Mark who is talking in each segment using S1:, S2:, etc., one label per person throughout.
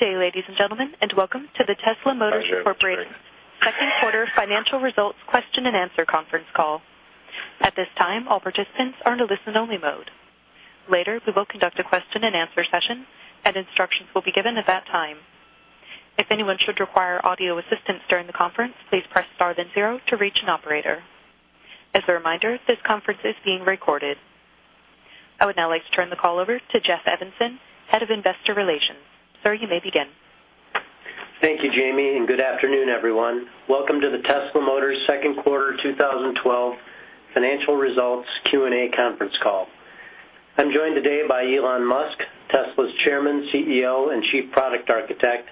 S1: Good day, ladies and gentlemen, and welcome to the Tesla Motors Corporation- Hi, Jamie. It's Jerome. second quarter financial results question and answer conference call. At this time, all participants are in a listen-only mode. Later, we will conduct a question and answer session, and instructions will be given at that time. If anyone should require audio assistance during the conference, please press star then zero to reach an operator. As a reminder, this conference is being recorded. I would now like to turn the call over to Jeff Evanson, Head of Investor Relations. Sir, you may begin.
S2: Thank you, Jamie, and good afternoon, everyone. Welcome to the Tesla Motors second quarter 2012 financial results Q&A conference call. I'm joined today by Elon Musk, Tesla's Chairman, CEO, and Chief Product Architect,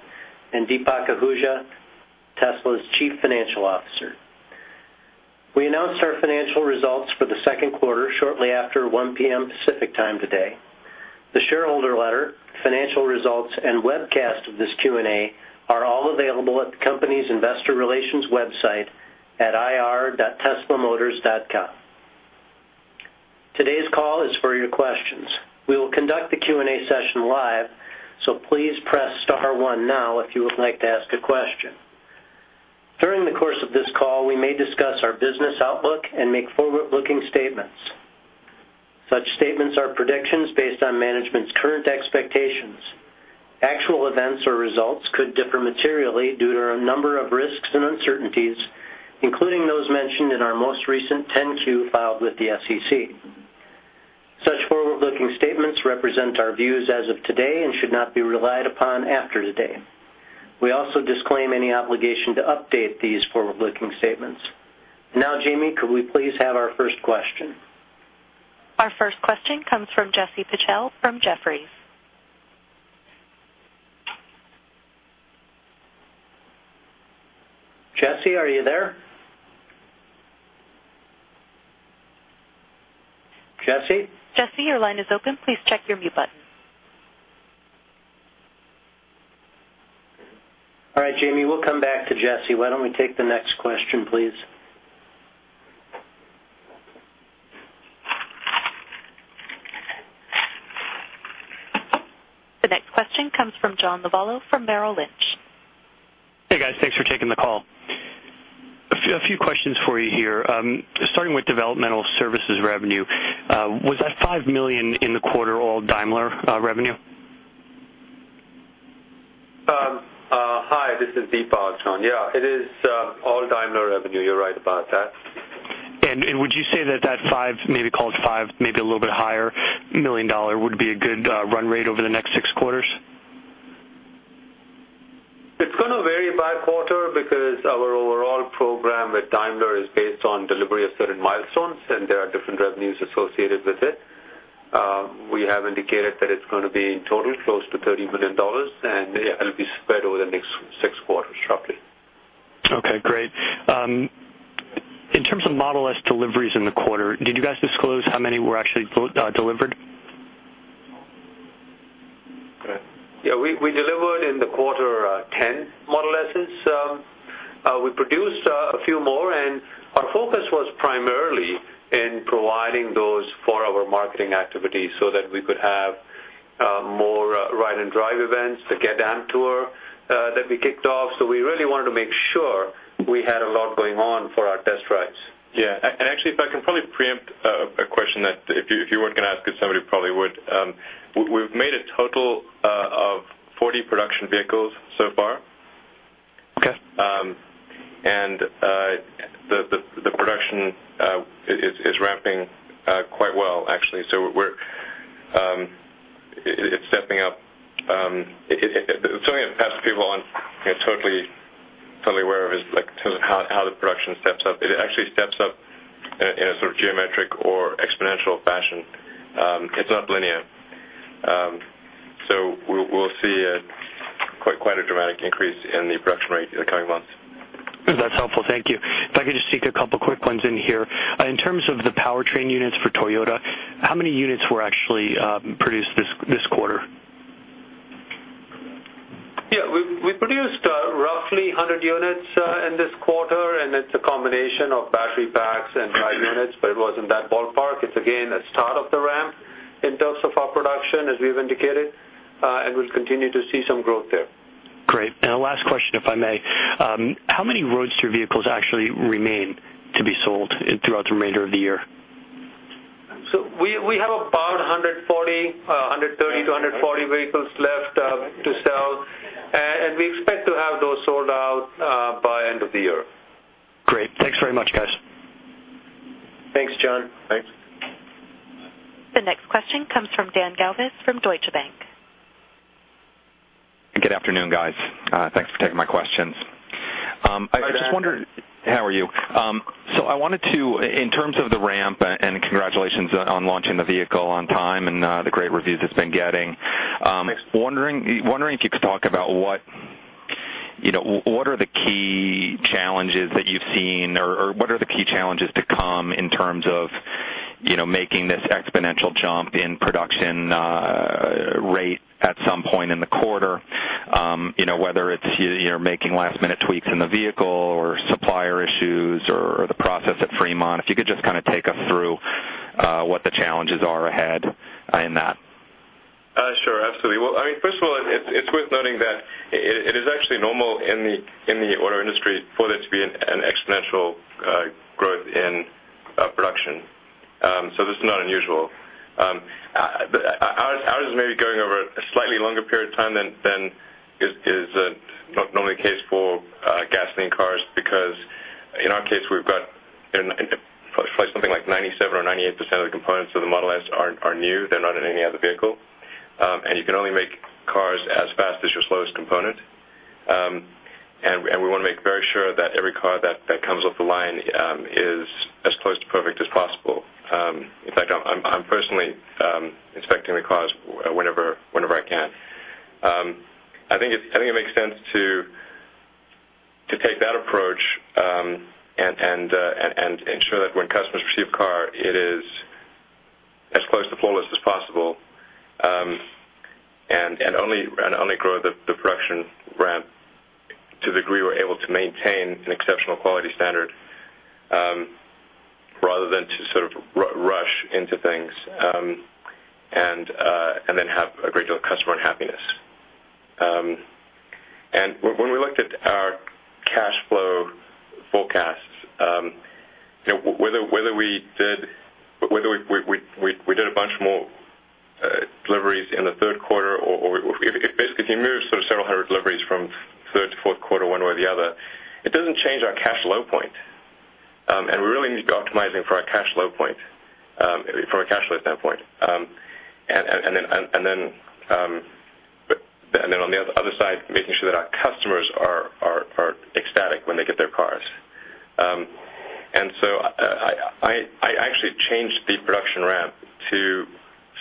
S2: and Deepak Ahuja, Tesla's Chief Financial Officer. We announced our financial results for the second quarter shortly after 1:00 P.M. Pacific Time today. The shareholder letter, financial results, and webcast of this Q&A are all available at the company's investor relations website at ir.teslamotors.com. Today's call is for your questions. We will conduct the Q&A session live, please press star one now if you would like to ask a question. During the course of this call, we may discuss our business outlook and make forward-looking statements. Such statements are predictions based on management's current expectations. Actual events or results could differ materially due to a number of risks and uncertainties, including those mentioned in our most recent 10-Q filed with the SEC. Such forward-looking statements represent our views as of today and should not be relied upon after today. We also disclaim any obligation to update these forward-looking statements. Now, Jamie, could we please have our first question?
S1: Our first question comes from Jesse Pichel from Jefferies.
S2: Jesse, are you there? Jesse?
S1: Jesse, your line is open. Please check your mute button.
S2: All right, Jamie, we'll come back to Jesse. Why don't we take the next question, please?
S1: The next question comes from John Lovallo from Merrill Lynch.
S3: Hey, guys. Thanks for taking the call. A few questions for you here. Starting with developmental services revenue, was that $5 million in the quarter all Daimler revenue?
S4: Hi, this is Deepak, John. Yeah, it is all Daimler revenue. You're right about that.
S3: Would you say that that five, maybe call it five, maybe a little bit higher, $5 million would be a good run rate over the next six quarters?
S4: It's going to vary by quarter because our overall program with Daimler is based on delivery of certain milestones, and there are different revenues associated with it. We have indicated that it's going to be in total close to $30 million, and it'll be spread over the next six quarters, roughly.
S3: Okay, great. In terms of Model S deliveries in the quarter, did you guys disclose how many were actually delivered?
S4: Yeah, we delivered in the quarter 10 Model S's. We produced a few more, Our focus was primarily in providing those for our marketing activities so that we could have more ride and drive events, the Get Amped Tour that we kicked off. We really wanted to make sure we had a lot going on for our test drives.
S5: Actually, if I can probably preempt a question that if you weren't going to ask it, somebody probably would. We've made a total of 40 production vehicles so far.
S3: Okay.
S5: The production is ramping quite well, actually. It's stepping up. Something that perhaps people aren't totally aware of is how the production steps up. It actually steps up in a sort of geometric or exponential fashion. It's not linear. We'll see quite a dramatic increase in the production rate in the coming months.
S3: That's helpful. Thank you. If I could just sneak a couple quick ones in here. In terms of the powertrain units for Toyota, how many units were actually produced this quarter?
S4: Yeah. We produced roughly 100 units in this quarter. It's a combination of battery packs and drive units, but it was in that ballpark. It's again, the start of the ramp in terms of our production, as we've indicated. We'll continue to see some growth there.
S3: A last question, if I may. How many Roadster vehicles actually remain to be sold throughout the remainder of the year?
S4: We have about 130-140 vehicles left to sell, and we expect to have those sold out by end of the year.
S3: Great. Thanks very much, guys.
S4: Thanks, John.
S5: Thanks.
S1: The next question comes from Dan Galves from Deutsche Bank.
S6: Good afternoon, guys. Thanks for taking my questions.
S4: Hi, Dan.
S6: How are you? I wanted to, in terms of the ramp, and congratulations on launching the vehicle on time and the great reviews it's been getting.
S5: Thanks.
S6: Wondering if you could talk about what are the key challenges that you've seen, or what are the key challenges to come in terms of making this exponential jump in production rate at some point in the quarter. Whether it's making last-minute tweaks in the vehicle or supplier issues or the process at Fremont, if you could just take us through what the challenges are ahead in that.
S5: Sure, absolutely. First of all, it's worth noting that it is actually normal in the auto industry for there to be an exponential growth in production. This is not unusual. Ours is maybe going over a slightly longer period of time than is normally the case for gasoline cars, because in our case, we've got something like 97% or 98% of the components of the Model S are new. They're not in any other vehicle. You can only make cars as fast as your slowest component. We want to make very sure that every car that comes off the line is as close to perfect as possible. In fact, I'm personally inspecting the cars whenever I can. I think it makes sense to take that approach, and ensure that when customers receive car, it is as close to flawless as possible, and only grow the production ramp to the degree we're able to maintain an exceptional quality standard, rather than to sort of rush into things, and then have a great deal of customer unhappiness. When we looked at our cash flow forecasts, whether we did a bunch more deliveries in the third quarter or basically, if you move sort of several hundred deliveries from third to fourth quarter, one way or the other, it doesn't change our cash flow point. We really need to be optimizing for our cash flow standpoint. Then on the other side, making sure that our customers are ecstatic when they get their cars. I actually changed the production ramp to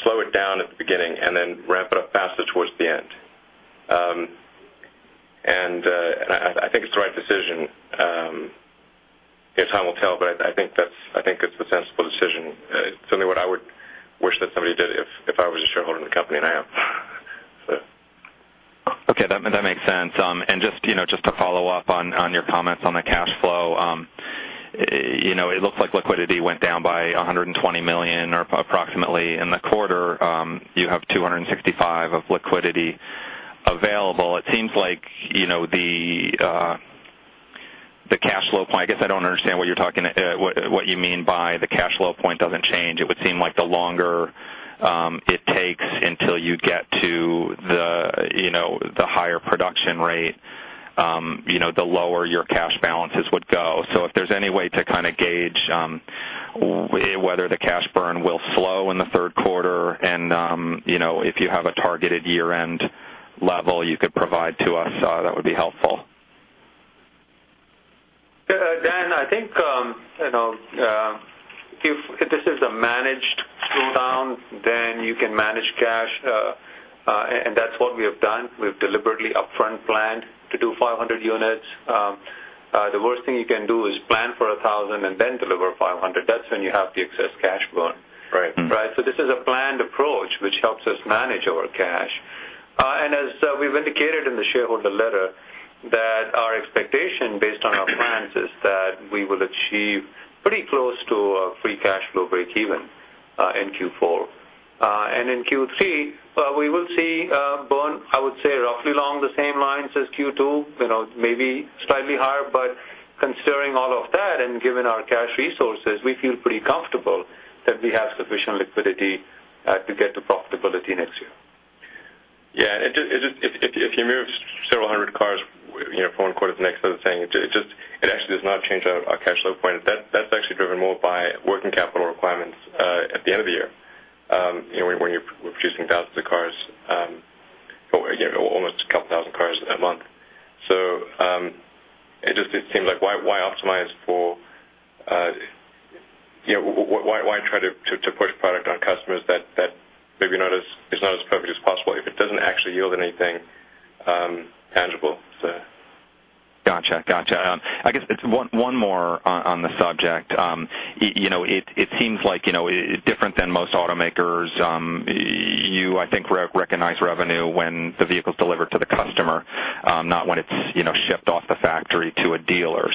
S5: slow it down at the beginning and then ramp it up faster towards the end. I think it's the right decision. Time will tell, but I think it's a sensible decision. It's certainly what I would wish that somebody did if I was a shareholder in the company, and I am.
S6: Okay, that makes sense. Just to follow up on your comments on the cash flow, it looks like liquidity went down by $120 million or approximately in the quarter. You have $265 of liquidity available. It seems like the cash flow point, I guess I don't understand what you mean by the cash flow point doesn't change. It would seem like the longer it takes until you get to the higher production rate, the lower your cash balances would go. If there's any way to kind of gauge whether the cash burn will slow in the third quarter and if you have a targeted year-end level you could provide to us, that would be helpful.
S4: Dan, I think, if this is a managed slowdown, then you can manage cash, and that's what we have done. We've deliberately upfront planned to do 500 units. The worst thing you can do is plan for 1,000 and then deliver 500. That's when you have the excess cash burn.
S6: Right.
S4: This is a planned approach, which helps us manage our cash. As we've indicated in the shareholder letter, that our expectation based on our plans is that we will achieve pretty close to a free cash flow breakeven, in Q4. In Q3, we will see a burn, I would say roughly along the same lines as Q2, maybe slightly higher, but considering all of that and given our cash resources, we feel pretty comfortable that we have sufficient liquidity to get to profitability next year.
S5: Yeah, if you move several hundred cars, from one quarter to the next, as I was saying, it actually does not change our cash flow point. That's actually driven more by working capital requirements at the end of the year, when you're producing thousands of cars, almost a couple thousand cars a month. It just seems like why try to push product on customers that maybe is not as perfect as possible if it doesn't actually yield anything tangible?
S6: Got you. I guess it's one more on the subject. It seems like, different than most automakers, you, I think, recognize revenue when the vehicle's delivered to the customer, not when it's shipped off the factory to a dealer.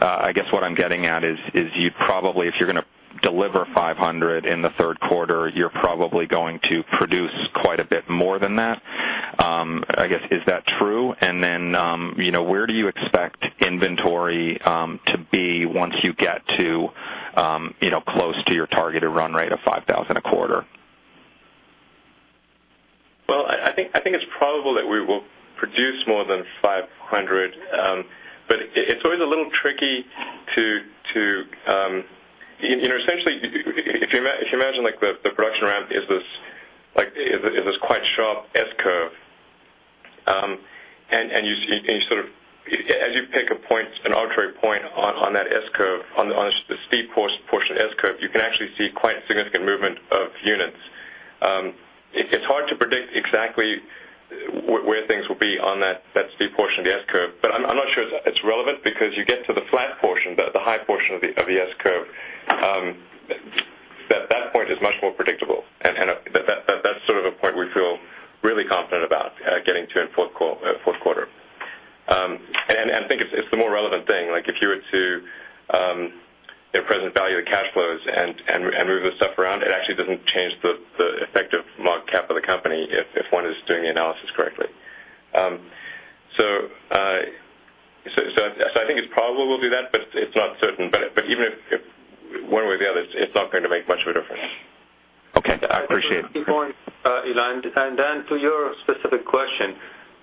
S6: I guess what I'm getting at is you'd probably, if you're going to deliver 500 in the third quarter, you're probably going to produce quite a bit more than that. I guess, is that true? Where do you expect inventory to be once you get to close to your targeted run rate of 5,000 a quarter?
S5: Well, I think it's probable that we will produce more than 500. It's always a little tricky. Essentially, if you imagine the production ramp is this quite sharp S-curve. As you pick an arbitrary point on that S-curve, on the steep portion of the S-curve, you can actually see quite significant movement of units. It's hard to predict exactly where things will be on that steep portion of the S-curve, but I'm not sure it's relevant because you get to the flat portion, the high portion of the S-curve. That's sort of a point we feel really confident about getting to in fourth quarter. I think it's the more relevant thing. If you were to present value the cash flows and move the stuff around, it actually doesn't change the effective market cap of the company if one is doing the analysis correctly. I think it's probable we'll do that, but it's not certain. Even if one way or the other, it's not going to make much of a difference.
S6: Okay. Appreciate it.
S4: Good point, Elon. Dan, to your specific question,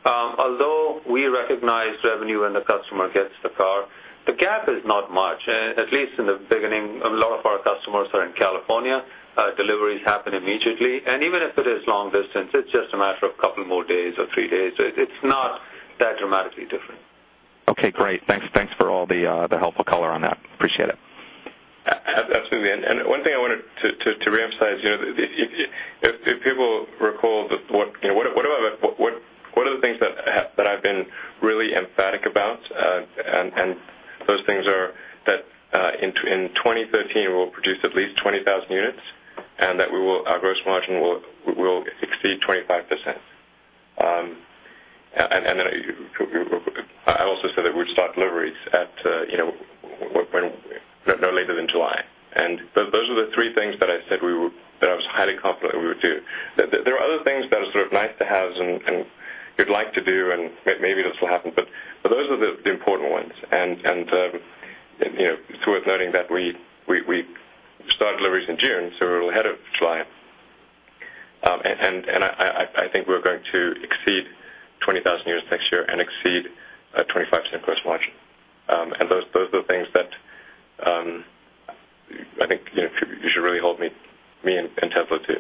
S4: although we recognize revenue when the customer gets the car, the gap is not much. At least in the beginning, a lot of our customers are in California. Deliveries happen immediately, and even if it is long distance, it's just a matter of couple more days or three days. It's not that dramatically different.
S6: Okay, great. Thanks for all the helpful color on that. Appreciate it.
S5: Absolutely. One thing I wanted to reemphasize, if people recall, one of the things that I've been really emphatic about, those things are that in 2013, we'll produce at least 20,000 units, and that our gross margin will exceed 25%. I also said that we'd start deliveries no later than July. Those are the three things that I said that I was highly confident we would do. There are other things that are sort of nice-to-haves and you'd like to do, and maybe this will happen, but those are the important ones. It's worth noting that we started deliveries in June, so we're ahead of July. I think we're going to exceed 20,000 units next year and exceed a 25% gross margin. Those are things that I think you should really hold me and Tesla to.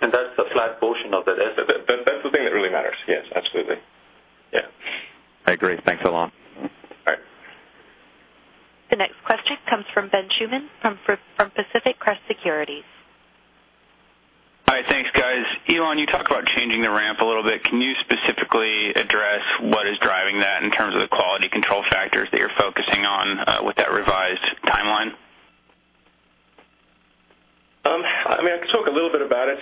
S4: That's a flat portion of the rest of it.
S5: That's the thing that really matters. Yes, absolutely. Yeah.
S6: I agree. Thanks, Elon.
S5: All right.
S1: The next question comes from Ben Schumann from Pacific Crest Securities.
S7: Hi, thanks guys. Elon, you talk about changing the ramp a little bit. Can you specifically address what is driving that in terms of the quality control factors that you're focusing on with that revised timeline?
S5: I mean, I can talk a little bit about it.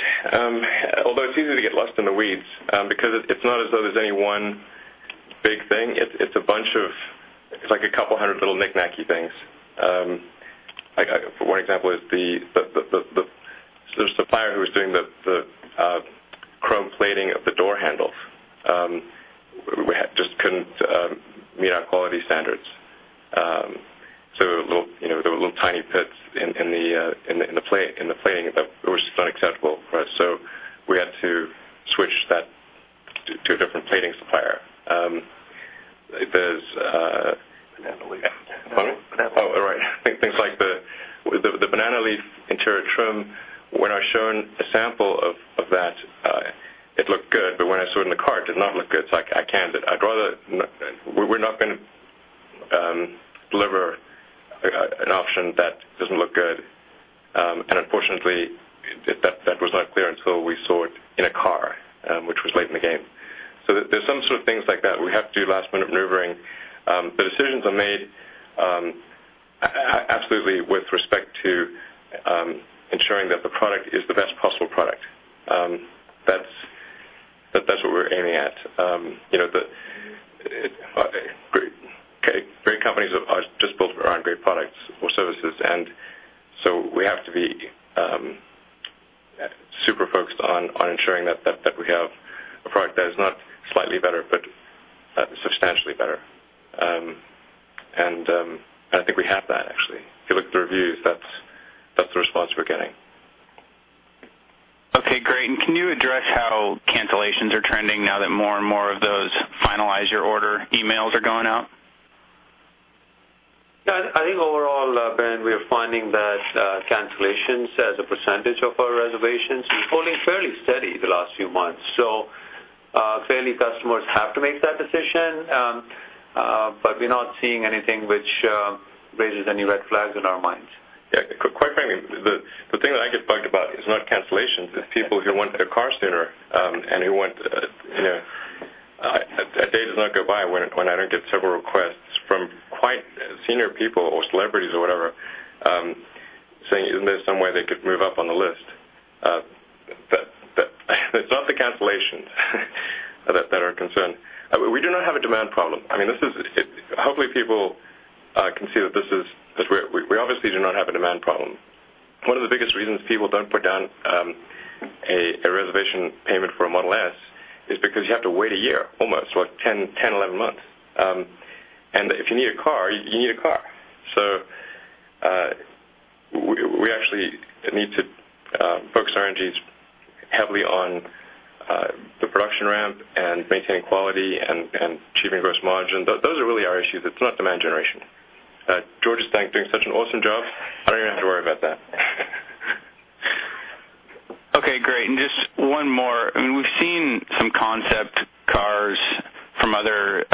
S5: Although it's easy to get lost in the weeds because it's not as though there's any one big thing. It's like a couple hundred little knick-knacky things. One example is the supplier who was doing the chrome plating of the door handles just couldn't meet our quality standards. There were little tiny pits in the plating that were just unacceptable for us, so we had to switch that to a different plating supplier.
S4: Banana Leaf.
S5: Pardon?
S4: Banana Leaf.
S5: Oh, right. Things like the Banana Leaf interior trim. When I was shown a sample of that, it looked good, but when I saw it in the car, it did not look good. I canned it. We're not going to deliver an option that doesn't look good. Unfortunately, that was not clear until we saw it in a car, which was late in the game. There's some sort of things like that where we have to do last-minute maneuvering. The decisions are made absolutely with respect to ensuring that the product is the best possible product. That's what we're aiming at. Great companies are just built around great products or services, we have to be super focused on ensuring that we have a product that is not slightly better but substantially better. I think we have that, actually. If you look at the reviews, that's the response we're getting.
S7: Okay, great. Can you address how cancellations are trending now that more and more of those "finalize your order" emails are going out?
S4: Yeah, I think overall, Ben, we are finding that cancellations as a percentage of our reservations is holding fairly steady the last few months. Clearly customers have to make that decision, but we're not seeing anything which raises any red flags in our minds.
S5: Yeah. Quite frankly, the thing that I get bugged about is not cancellations. It's people who want their car sooner. A day does not go by when I don't get several requests from quite senior people or celebrities or whatever, saying, isn't there some way they could move up on the list? It's not the cancellations that are a concern. We do not have a demand problem. Hopefully people can see that we obviously do not have a demand problem. One of the biggest reasons people don't put down a reservation payment for a Model S is because you have to wait a year almost, what, 10, 11 months. If you need a car, you need a car. We actually need to focus our energies heavily on the production ramp and maintaining quality and achieving gross margin. Those are really our issues. It's not demand generation. George is doing such an awesome job, I don't even have to worry about that.
S7: Okay, great. Just one more. We've seen some concept cars from other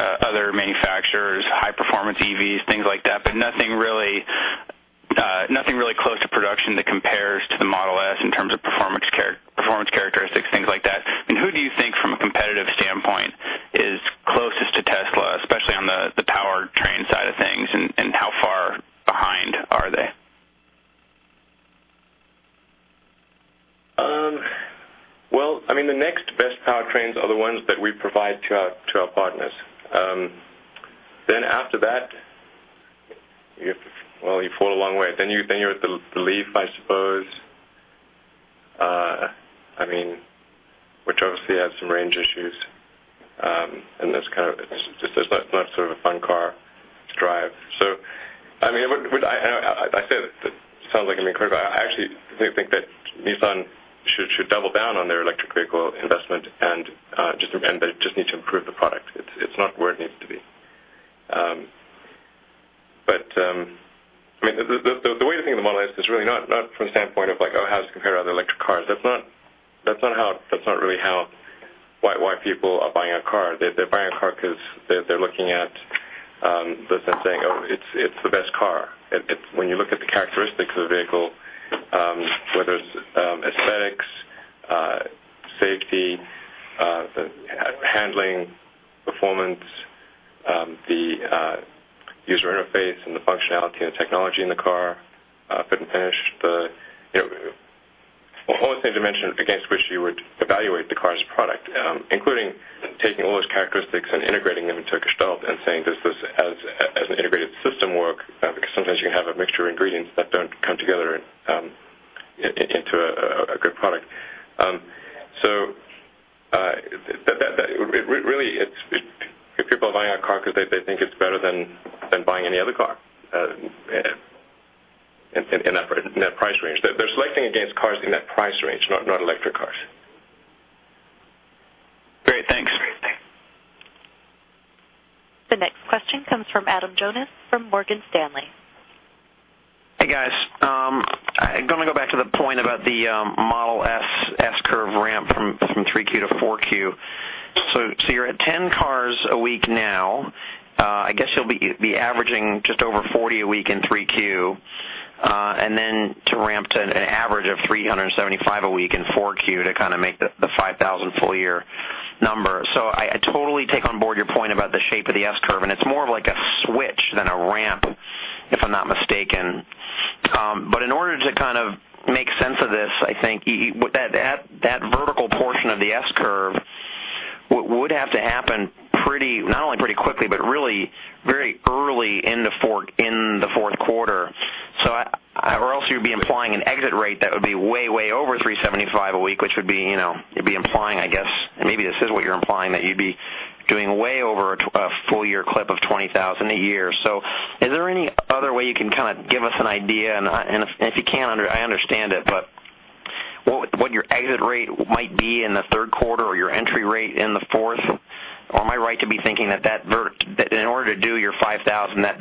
S7: manufacturers, high-performance EVs, things like that, but nothing really close to production that compares to the Model S in terms of performance characteristics. Are they?
S5: Well, the next best powertrains are the ones that we provide to our partners. After that, well, you fall a long way. You're at the LEAF, I suppose, which obviously has some range issues, and it's just not a fun car to drive. I say this, it sounds like I'm being critical. I actually do think that Nissan should double down on their electric vehicle investment and they just need to improve the product. It's not where it needs to be. The way to think of the Model S is really not from the standpoint of how does it compare to other electric cars. That's not really why people are buying a car. They're buying a car because they're looking at this and saying, "Oh, it's the best car." When you look at the characteristics of the vehicle, whether it's aesthetics, safety, handling, performance, the user interface, and the functionality and technology in the car, fit and finish, all those things are mentioned against which you would evaluate the car as a product, including taking all those characteristics and integrating them into a gestalt and saying does this, as an integrated system, work? Because sometimes you can have a mixture of ingredients that don't come together into a good product. Really, people are buying our car because they think it's better than buying any other car in that price range. They're selecting against cars in that price range, not electric cars.
S7: Great, thanks.
S1: The next question comes from Adam Jonas from Morgan Stanley.
S8: Hey, guys. I'm going to go back to the point about the Model S-curve ramp from three Q to four Q. You're at 10 cars a week now. I guess you'll be averaging just over 40 a week in three Q, and then to ramp to an average of 375 a week in four Q to kind of make the 5,000 full-year number. I totally take on board your point about the shape of the S-curve, and it's more of like a switch than a ramp, if I'm not mistaken. In order to kind of make sense of this, I think that vertical portion of the S-curve would have to happen not only pretty quickly, but really very early in the fourth quarter. Else you'd be implying an exit rate that would be way over 375 a week, which you'd be implying, I guess, and maybe this is what you're implying, that you'd be doing way over a full-year clip of 20,000 a year. Is there any other way you can kind of give us an idea, and if you can't, I understand it, but what your exit rate might be in the third quarter or your entry rate in the fourth? Am I right to be thinking that in order to do your 5,000, that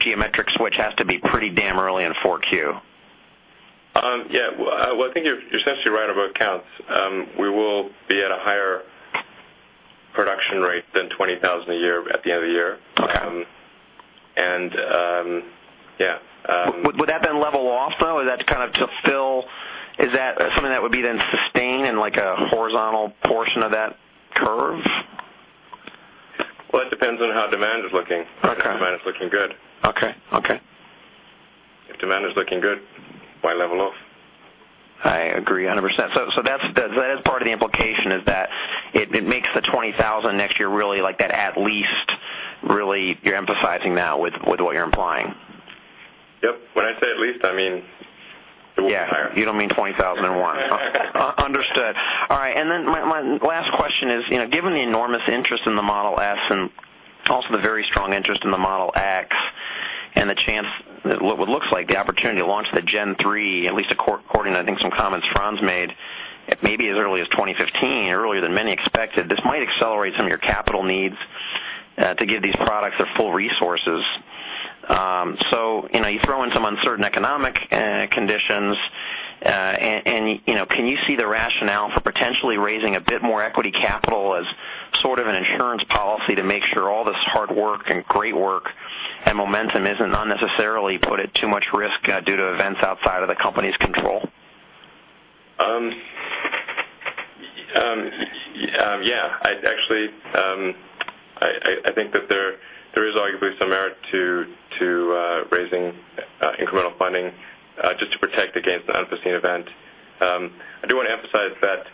S8: geometric switch has to be pretty damn early in four Q?
S5: Yeah. Well, I think you're essentially right about counts. We will be at a higher production rate than 20,000 a year at the end of the year.
S8: Okay.
S5: And, yeah-
S8: Would that then level off, though? Is that something that would be then sustained in like a horizontal portion of that curve?
S5: Well, it depends on how demand is looking.
S8: Okay.
S5: If demand is looking good.
S8: Okay.
S5: If demand is looking good, why level off?
S8: I agree 100%. That is part of the implication is that it makes the 20,000 next year really like that, at least, really, you're emphasizing that with what you're implying.
S5: Yep. When I say at least, I mean it will be higher.
S8: Yeah. You don't mean 20,001. Understood. My last question is, given the enormous interest in the Model S and also the very strong interest in the Model X and what looks like the opportunity to launch the Gen3, at least according to I think some comments Franz made, maybe as early as 2015, earlier than many expected, this might accelerate some of your capital needs to give these products their full resources. You throw in some uncertain economic conditions, and can you see the rationale for potentially raising a bit more equity capital as sort of an insurance policy to make sure all this hard work and great work and momentum isn't unnecessarily put at too much risk due to events outside of the company's control?
S5: Yeah. I think that there is arguably some merit to raising incremental funding, just to protect against an unforeseen event. I do want to emphasize that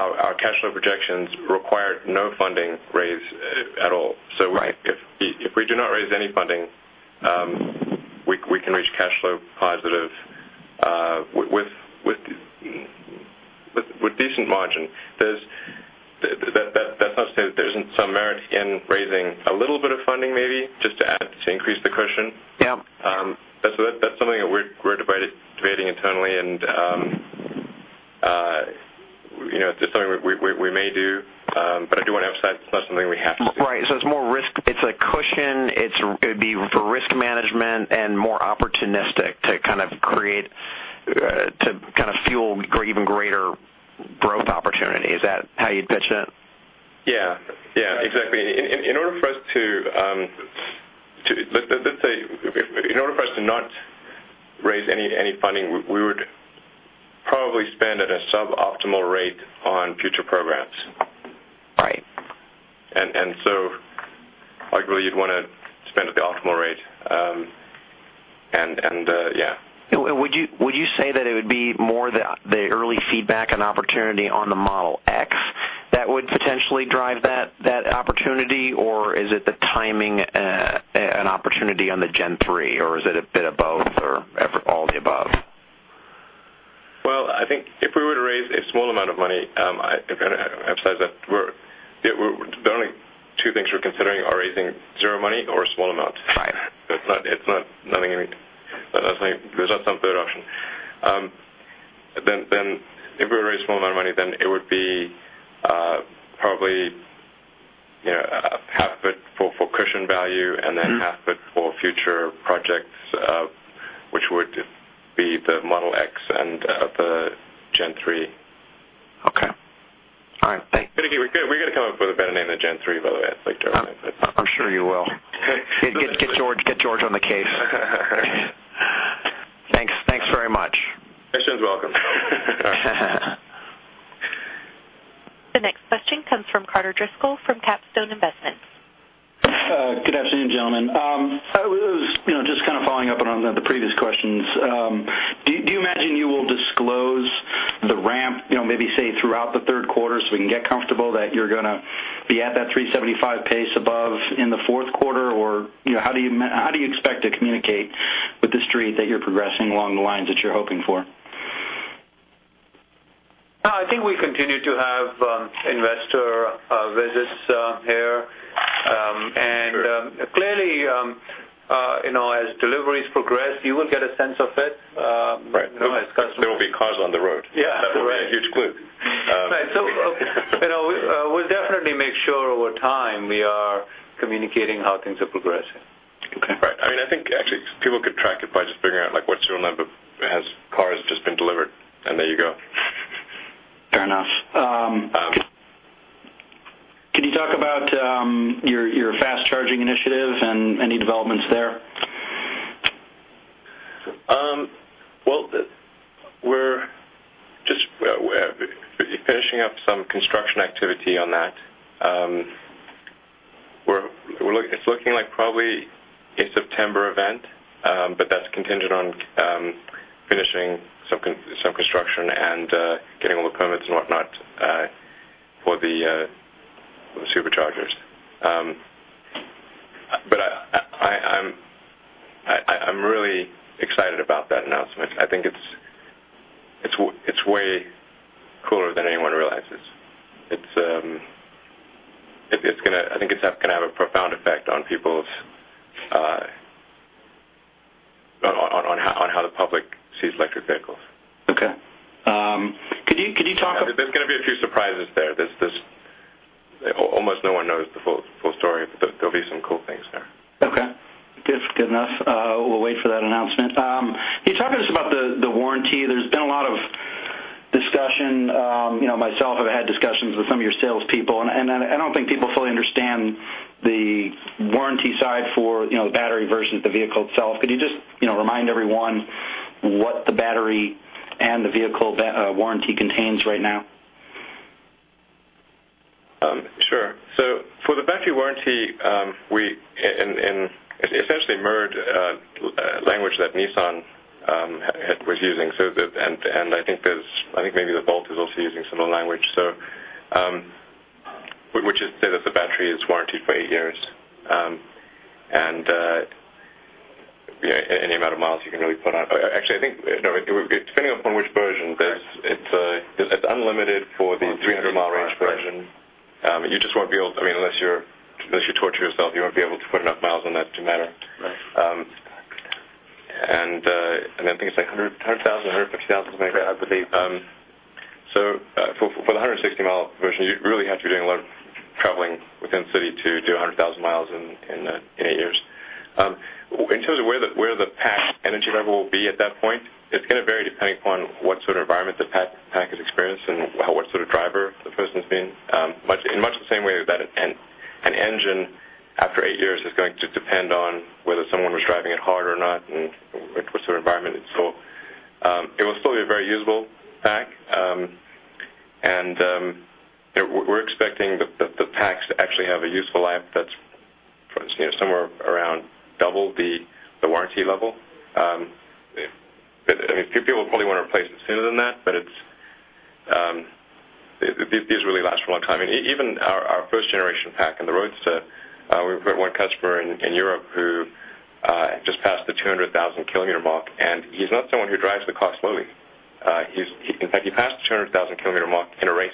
S5: our cash flow projections require no funding raise at all.
S8: Right.
S5: If we do not raise any funding, we can reach cash flow positive with decent margin. That's not to say that there isn't some merit in raising a little bit of funding, maybe, just to increase the cushion.
S8: Yeah.
S5: That's something that we're debating internally, it's just something we may do. I do want to emphasize it's not something we have to do.
S8: Right. It's a cushion, it'd be for risk management and more opportunistic to kind of fuel even greater growth opportunity. Is that how you'd pitch it?
S5: Yeah, exactly. Let's say, in order for us to not raise any funding, arguably you'd want to spend at the optimal rate. Yeah.
S8: Would you say that it would be more the early feedback and opportunity on the Model X that would potentially drive that opportunity? Is it the timing an opportunity on the Gen3, or is it a bit of both or all the above?
S5: Well, I think if we were to raise a small amount of money, I emphasize that the only two things we're considering are raising zero money or a small amount.
S8: Right.
S5: There's not some third option. If we were to raise a small amount of money, then it would be probably half of it for cushion value and then half of it for future projects, which would be the Model X and the Gen3.
S8: Okay. All right. Thanks.
S5: We got to come up with a better name than Gen3, by the way. I'd like to remind that.
S8: I'm sure you will. Get George on the case. Thanks very much.
S5: Questions welcome.
S1: The next question comes from Carter Driscoll from Capstone Investments.
S9: Good afternoon, gentlemen. Just following up on the previous questions. Do you imagine you will disclose the ramp, maybe say throughout the third quarter so we can get comfortable that you're going to be at that 375 pace above in the fourth quarter, or how do you expect to communicate with the Street that you're progressing along the lines that you're hoping for?
S5: I think we continue to have investor visits here. Clearly, as deliveries progress, you will get a sense of it.
S9: Right. As customers- There will be cars on the road.
S5: Yeah, correct.
S9: That will be a huge clue.
S5: Right. We'll definitely make sure over time we are communicating how things are progressing.
S9: Okay.
S5: Right. I think actually people could track it by just figuring out what serial number has cars just been delivered, and there you go.
S9: Fair enough. Can you talk about your fast charging initiative and any developments there?
S5: Well, we're just finishing up some construction activity on that. It's looking like probably a September event, but that's contingent on finishing some construction and getting all the permits and whatnot for the Superchargers. I'm really excited about that announcement. I think it's way cooler than anyone realizes. I think it's going to have a profound effect on how the public sees electric vehicles.
S9: Okay.
S5: There's going to be a few surprises there. Almost no one knows the full story, but there'll be some cool things there.
S9: Okay. Good enough. We'll wait for that announcement. Can you talk to us about the warranty? There's been a lot of discussion, myself, I've had discussions with some of your salespeople. I don't think people fully understand the warranty side for the battery versus the vehicle itself. Could you just remind everyone what the battery and the vehicle warranty contains right now?
S5: Sure. For the battery warranty, we essentially merged language that Nissan was using, I think maybe the Volt is also using similar language. Which is to say that the battery is warrantied for 8 years. Any amount of miles you can really put on it. Actually, I think, depending upon which version, it's unlimited for the 300 mile version. You just won't be able, unless you torture yourself, you won't be able to put enough miles on that to matter.
S9: Right.
S5: I think it's like 100,000, 150,000, something like that.
S9: I believe.
S5: For the 160 mile version, you really have to be doing a lot of traveling within the city to do 100,000 miles in 8 years. In terms of where the pack energy level will be at that point, it's going to vary depending upon what sort of environment the pack has experienced and what sort of driver the person's been. In much the same way that an engine after 8 years is going to depend on whether someone was driving it hard or not and what sort of environment it's in. It will still be a very usable pack. We're expecting the packs to actually have a useful life that's somewhere around double the warranty level. People probably want to replace it sooner than that, but these really last for a long time. Even our first generation pack in the Roadster, we've got one customer in Europe who just passed the 200,000 kilometer mark, and he's not someone who drives the car slowly. In fact, he passed the 200,000 kilometer mark in a race.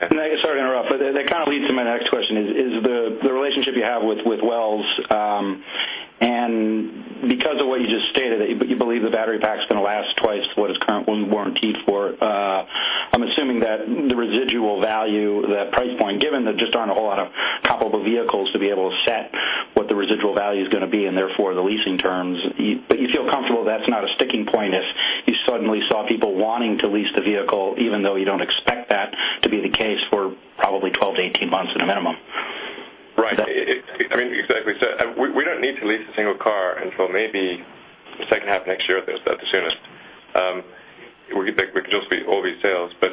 S9: Sorry to interrupt, that kind of leads to my next question is the relationship you have with Wells, and because of what you just stated, that you believe the battery pack's going to last twice what it's currently warrantied for, I'm assuming that the residual value, the price point, given there just aren't a whole lot of comparable vehicles to be able to set what the residual value is going to be and therefore the leasing terms, but you feel comfortable that's not a sticking point if you suddenly saw people wanting to lease the vehicle, even though you don't expect that
S5: Maybe the second half of next year at the soonest. We could just be all these sales, we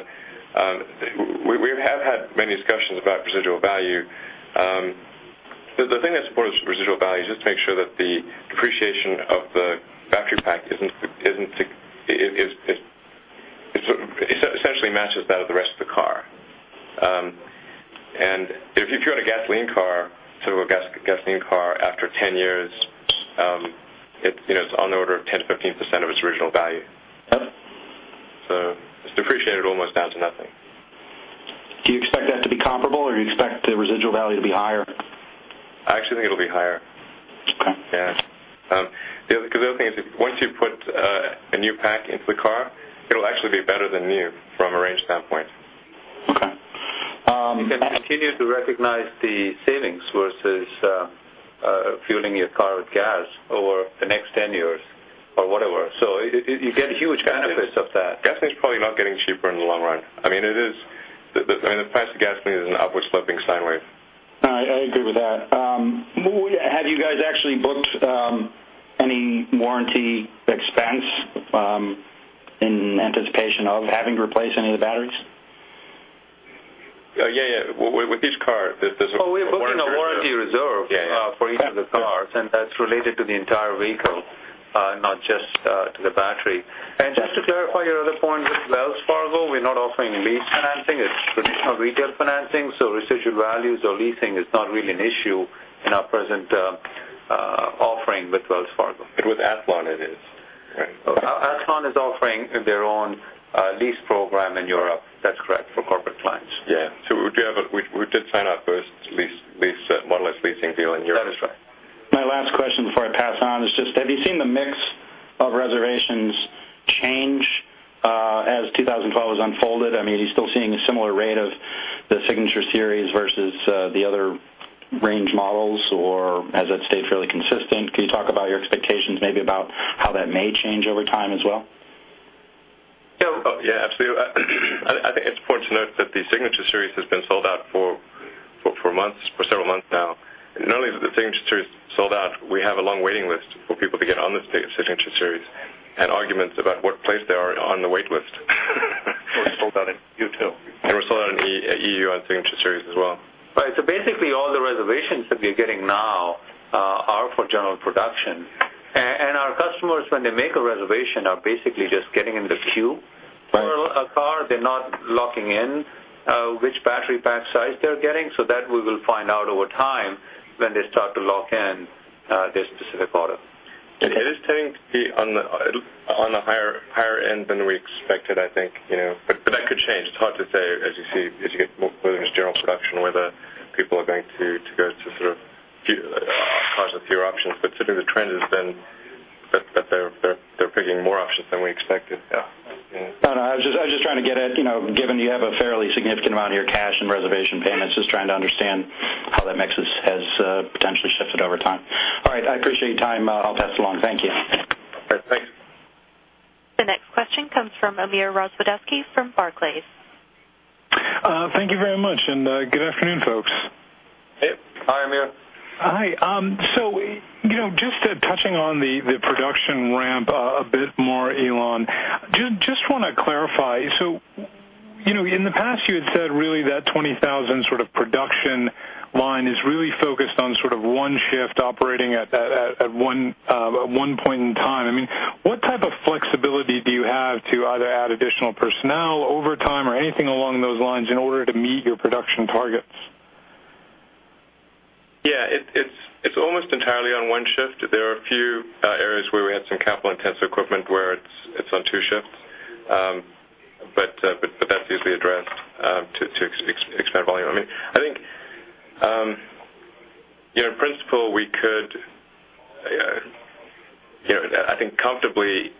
S5: have had many discussions about residual value. The thing that supports residual value is just to make sure that the depreciation of the battery pack essentially matches that of the rest of the car. If you own a gasoline car, after 10 years, it's on the order of 10%-15% of its original value.
S9: Yep.
S5: It's depreciated almost down to nothing.
S9: Do you expect that to be comparable, or do you expect the residual value to be higher?
S5: I actually think it'll be higher.
S9: Okay.
S5: Yeah. The other thing is, once you put a new pack into the car, it'll actually be better than new from a range standpoint.
S9: Okay.
S4: You can continue to recognize the savings versus fueling your car with gas over the next 10 years or whatever. You get huge benefits of that.
S5: Gasoline's probably not getting cheaper in the long run. The price of gasoline is an upward-sloping sine wave.
S9: I agree with that. Have you guys actually booked any warranty expense in anticipation of having to replace any of the batteries?
S5: Yeah. With each car, there's a.
S4: Oh, we've booked a warranty reserve.
S5: Yeah
S4: for each of the cars, that's related to the entire vehicle, not just to the battery. Just to clarify your other point with Wells Fargo, we're not offering lease financing. It's traditional retail financing, so residual values or leasing is not really an issue in our present offering with Wells Fargo.
S5: With Athlon, it is, right?
S4: Athlon is offering their own lease program in Europe, that's correct, for corporate clients.
S5: Yeah. We did sign our first Model S leasing deal in Europe.
S4: That is right.
S9: My last question before I pass on is just, have you seen the mix of reservations change as 2012 has unfolded? Are you still seeing a similar rate of the Signature Series versus the other range models, or has that stayed fairly consistent? Can you talk about your expectations maybe about how that may change over time as well?
S5: Yeah, absolutely. I think it's important to note that the Signature Series has been sold out for several months now. Not only is the Signature Series sold out, we have a long waiting list for people to get on the Signature Series and arguments about what place they are on the wait list.
S4: We're sold out in Q2.
S5: We're sold out in EU on Signature Series as well.
S4: Basically, all the reservations that we're getting now are for general production. Our customers, when they make a reservation, are basically just getting in the queue.
S9: Right
S4: For a car. They're not locking in which battery pack size they're getting, so that we will find out over time when they start to lock in their specific order.
S5: It is tending to be on the higher end than we expected, I think. That could change. It's hard to say as you get more clear in this general production, whether people are going to go to sort of choose fewer options. Typically, the trend has been that they're picking more options than we expected.
S9: No, I was just trying to get at, given you have a fairly significant amount of your cash in reservation payments, just trying to understand how that mix has potentially shifted over time. All right. I appreciate your time. I'll pass along. Thank you.
S5: All right. Thanks.
S1: The next question comes from Amir Rozwadowski from Barclays.
S10: Thank you very much, and good afternoon, folks.
S5: Hey. Hi, Amir.
S10: Hi. Just touching on the production ramp a bit more, Elon. Just want to clarify, in the past, you had said really that 20,000 sort of production line is really focused on sort of one shift operating at one point in time. What type of flexibility do you have to either add additional personnel, overtime, or anything along those lines in order to meet your production targets?
S5: Yeah. It's almost entirely on one shift. There are a few areas where we had some capital-intensive equipment where it's on two shifts. That's easily addressed to expand volume. I think, in principle, we could comfortably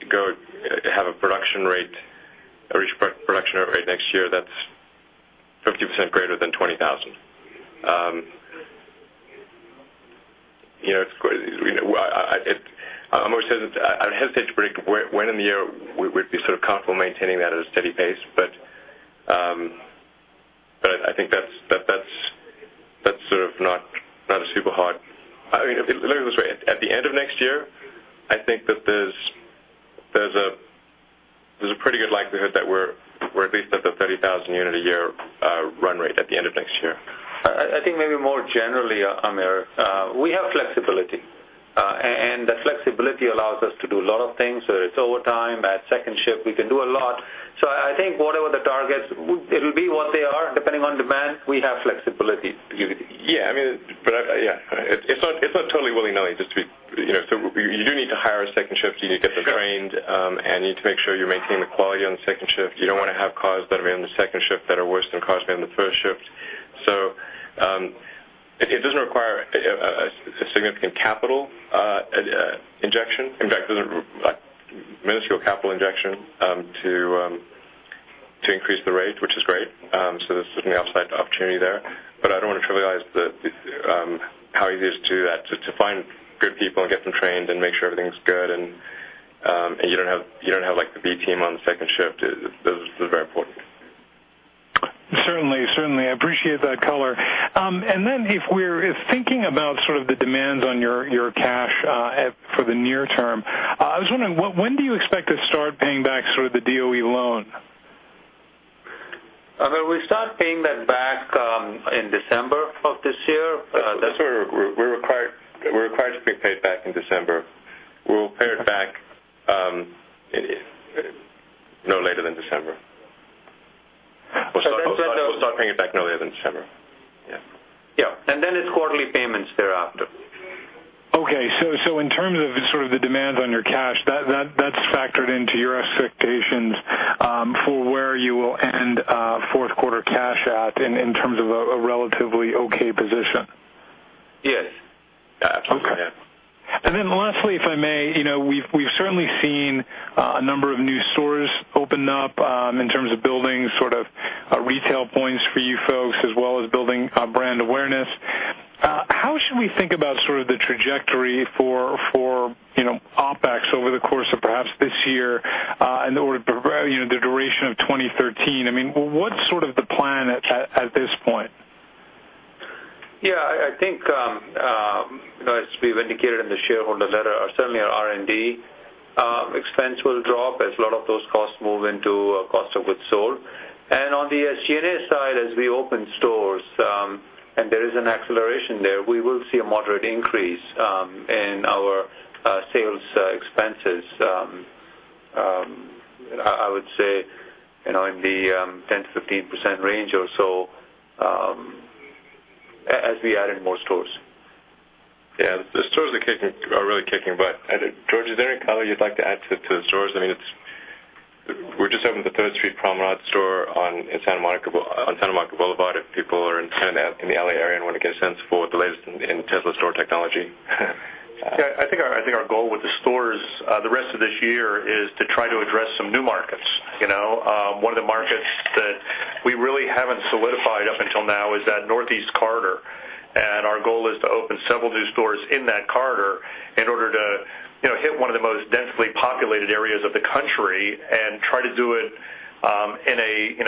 S5: have a production rate next year that's 50% greater than 20,000. I hesitate to predict when in the year we'd be sort of comfortable maintaining that at a steady pace. Let me put it this way. At the end of next year, I think that there's a pretty good likelihood that we're at least at the 30,000 unit a year run rate at the end of next year.
S4: I think maybe more generally, Amir, we have flexibility. The flexibility allows us to do a lot of things. It's overtime, add second shift. We can do a lot. I think whatever the targets, it'll be what they are. Depending on demand, we have flexibility.
S5: It's not totally willy-nilly. You do need to hire a second shift. You need to get them trained, and you need to make sure you're maintaining the quality on the second shift. You don't want to have cars that are made on the second shift that are worse than cars made on the first shift. It doesn't require a significant capital injection. In fact, there's a minuscule capital injection to increase the rate, which is great. There's certainly an upside opportunity there. I don't want to trivialize how easy it is to do that, to find good people and get them trained and make sure everything's good and you don't have the B team on the second shift. Those are very important.
S10: If thinking about the demands on your cash for the near term, I was wondering, when do you expect to start paying back the DOE loan?
S4: We start paying that back in December of this year.
S5: We're required to be paid back in December. We'll pay it back no later than December. We'll start paying it back no later than December.
S4: Yeah. Then it's quarterly payments thereafter.
S10: Okay. In terms of the demands on your cash, that's factored into your expectations for where you will end Q4 cash at in terms of a relatively okay position.
S4: Yes. Absolutely.
S10: Okay. Then lastly, if I may, we've certainly seen a number of new stores open up in terms of building retail points for you folks, as well as building brand awareness. How should we think about the trajectory for OpEx over the course of perhaps this year, and over the duration of 2013? I mean, what's the plan at this point?
S4: Yeah, I think, as we've indicated in the shareholder letter, certainly our R&D expense will drop as a lot of those costs move into cost of goods sold. On the SG&A side, as we open stores, and there is an acceleration there, we will see a moderate increase in our sales expenses, I would say in the 10%-15% range or so as we add in more stores.
S5: Yeah. The stores are really kicking butt. George, is there any color you'd like to add to the stores? I mean, we're just opening the Third Street Promenade store in Santa Monica Boulevard, if people are in the L.A. area and want to get a sense for the latest in Tesla store technology.
S11: Yeah, I think our goal with the stores the rest of this year is to try to address some new markets. One of the markets that we really haven't solidified up until now is that northeast corridor. Our goal is to open several new stores in that corridor in order to hit one of the most densely populated areas of the country and try to do it in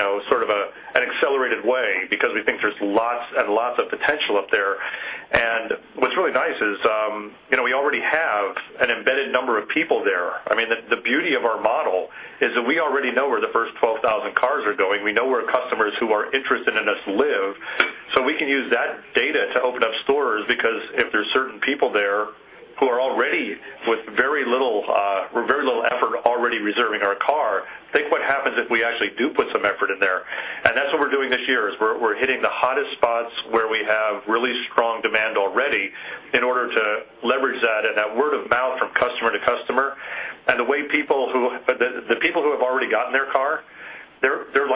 S11: an accelerated way, because we think there's lots and lots of potential up there. What's really nice is we already have an embedded number of people there. The beauty of our model is that we already know where the first 12,000 cars are going. We know where customers who are interested in us live. We can use that data to open up stores, because if there's certain people there who are, with very little effort, already reserving our car, think what happens if we actually do put some effort in there. That's what we're doing this year, is we're hitting the hottest spots where we have really strong demand already in order to leverage that and that word of mouth from customer to customer. The people who have already gotten their car, they're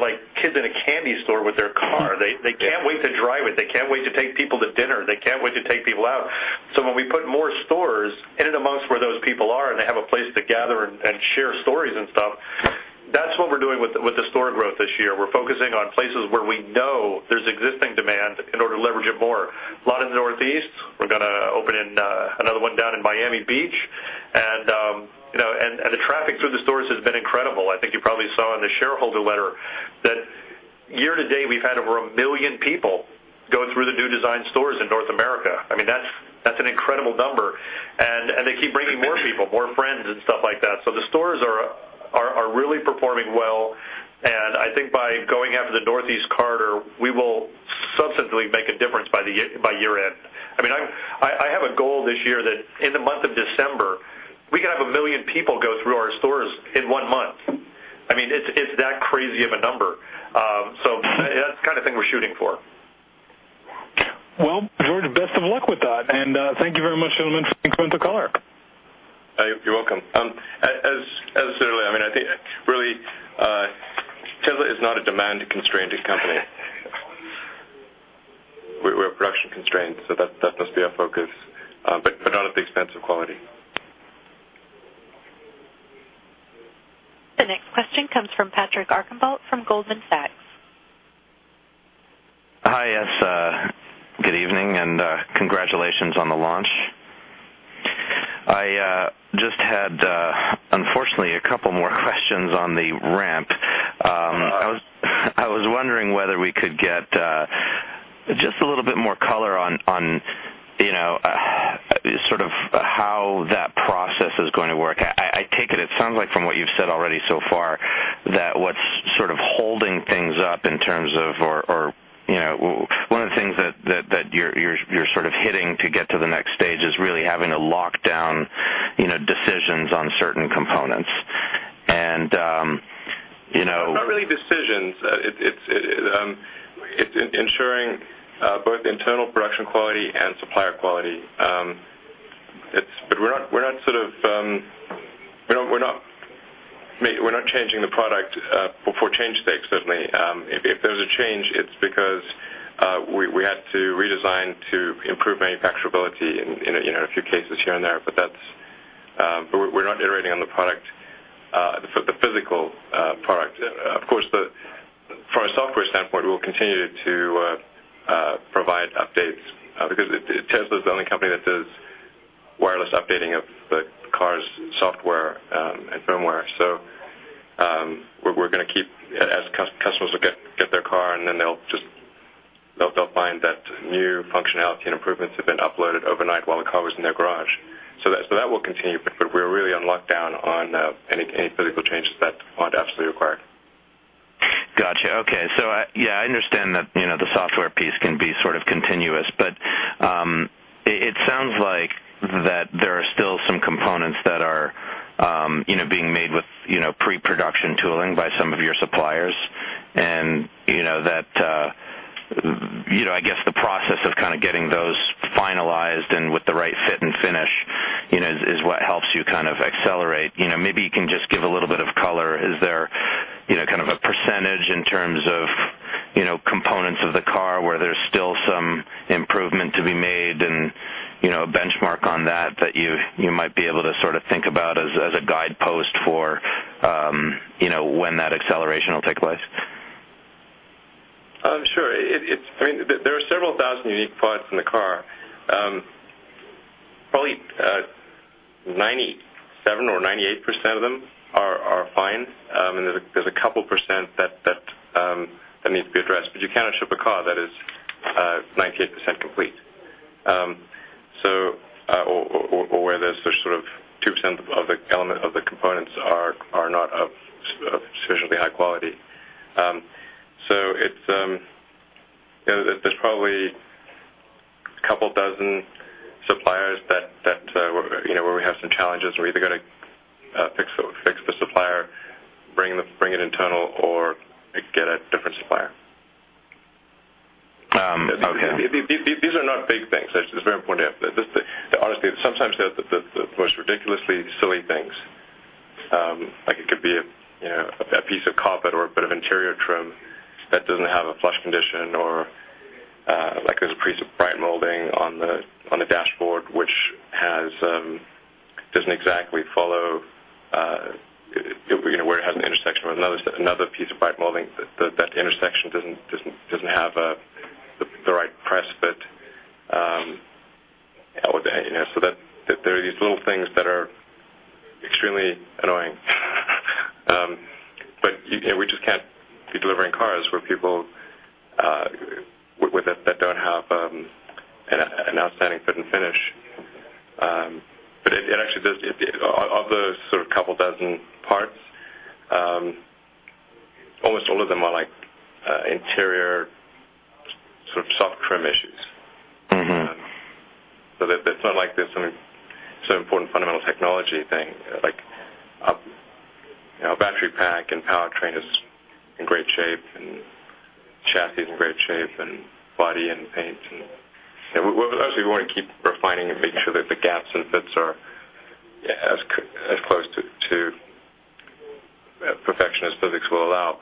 S11: like kids in a candy store with their car. They can't wait to drive it. They can't wait to take people to dinner. They can't wait to take people out. When we put more stores in and amongst where those people are, and they have a place to gather and share stories and stuff, that's what we're doing with the store growth this year. We're focusing on places where we know there's existing demand in order to leverage it more. A lot in the Northeast. We're going to open another one down in Miami Beach. The traffic through the stores has been incredible. I think you probably saw in the shareholder letter that year to date, we've had over 1 million people go through the new design stores in North America. That's an incredible number. They keep bringing more people, more friends and stuff like that. The stores are really performing well, and I think by going after the northeast corridor, we will substantially make a difference by year-end. I have a goal this year that in the month of December, we can have 1 million people go through our stores in one month. It's that crazy of a number. That's the kind of thing we're shooting for.
S10: Well, George, best of luck with that. Thank you very much, gentlemen, for including the color.
S5: You're welcome. As I said earlier, I think really, Tesla is not a demand-constrained company. We're production-constrained, that must be our focus. Not at the expense of quality.
S1: The next question comes from Patrick Archambault from Goldman Sachs.
S12: Hi, yes. Good evening. Congratulations on the launch. I just had unfortunately a couple more questions on the ramp.
S5: Oh.
S12: I was wondering whether we could get just a little bit more color on how that process is going to work. I take it it sounds like from what you've said already so far that what's holding things up in terms of, or one of the things that you're hitting to get to the next stage is really having to lock down decisions on certain components.
S5: Not really decisions. It's ensuring both internal production quality and supplier quality. We're not changing the product for change sakes, certainly. If there's a change, it's because we had to redesign to improve manufacturability in a few cases here and there, but we're not iterating on the product, the physical product. Of course, from a software standpoint, we'll continue to provide updates because Tesla's the only company that does wireless updating of software and firmware. We're going to keep, as customers will get their car and then they'll find that new functionality and improvements have been uploaded overnight while the car was in their garage. That will continue, but we're really on lockdown on any physical changes that aren't absolutely required.
S12: Got you. Okay. Yeah, I understand that the software piece can be sort of continuous, but it sounds like that there are still some components that are being made with pre-production tooling by some of your suppliers and that I guess the process of kind of getting those finalized and with the right fit and finish is what helps you kind of accelerate. Maybe you can just give a little bit of color. Is there a percentage in terms of components of the car where there's still some improvement to be made and a benchmark on that you might be able to sort of think about as a guidepost for when that acceleration will take place?
S5: Sure. There are several thousand unique parts in the car. Probably 97% or 98% of them are fine, and there's a couple percent that need to be addressed, but you cannot ship a car that is 98% complete. Or where there's sort of 2% of the components are not of sufficiently high quality. There's probably a couple dozen suppliers where we have some challenges and we either got to fix the supplier, bring it internal, or get a different supplier.
S12: Okay.
S5: These are not big things. It's very important to have. Honestly, sometimes they're the most ridiculously silly things. Like it could be a piece of carpet or a bit of interior trim that doesn't have a flush condition or there's a piece of bright molding on the dashboard, where it has an intersection with another piece of bright molding, that intersection doesn't have the right press fit. There are these little things that are extremely annoying. We just can't be delivering cars that don't have an outstanding fit and finish. Of those couple dozen parts, almost all of them are interior, sort of soft trim issues. It's not like there's some important fundamental technology thing. Our battery pack and powertrain is in great shape, and chassis is in great shape, and body and paint and Obviously, we want to keep refining and make sure that the gaps and fits are as close to perfection as physics will allow.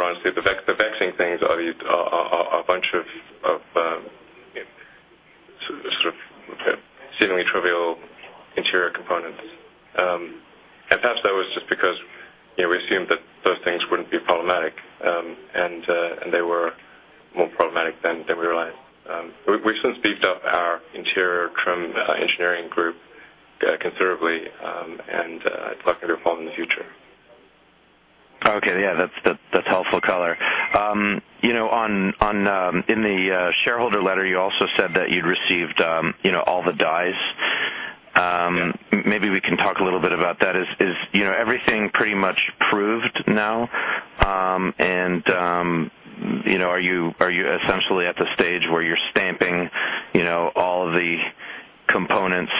S5: Honestly, the vexing things are a bunch of seemingly trivial interior components. Perhaps that was just because we assumed that those things wouldn't be problematic, and they were more problematic than we realized. We've since beefed up our interior trim engineering group considerably, and it's likely to evolve in the future.
S12: Okay. Yeah, that's helpful color. In the shareholder letter, you also said that you'd received all the dies.
S5: Yeah.
S12: Maybe we can talk a little bit about that. Is everything pretty much proved now? Are you essentially at the stage where you're stamping all the components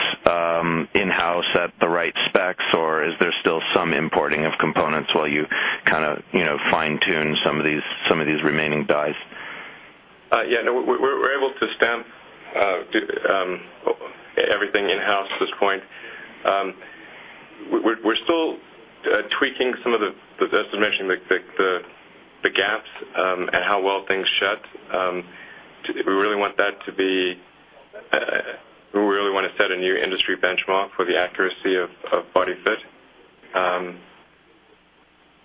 S12: in-house at the right specs, or is there still some importing of components while you fine-tune some of these remaining dies?
S5: Yeah, no, we're able to stamp everything in-house at this point. We're still tweaking some of the estimation, the gaps, and how well things shut. We really want to set a new industry benchmark for the accuracy of body fit.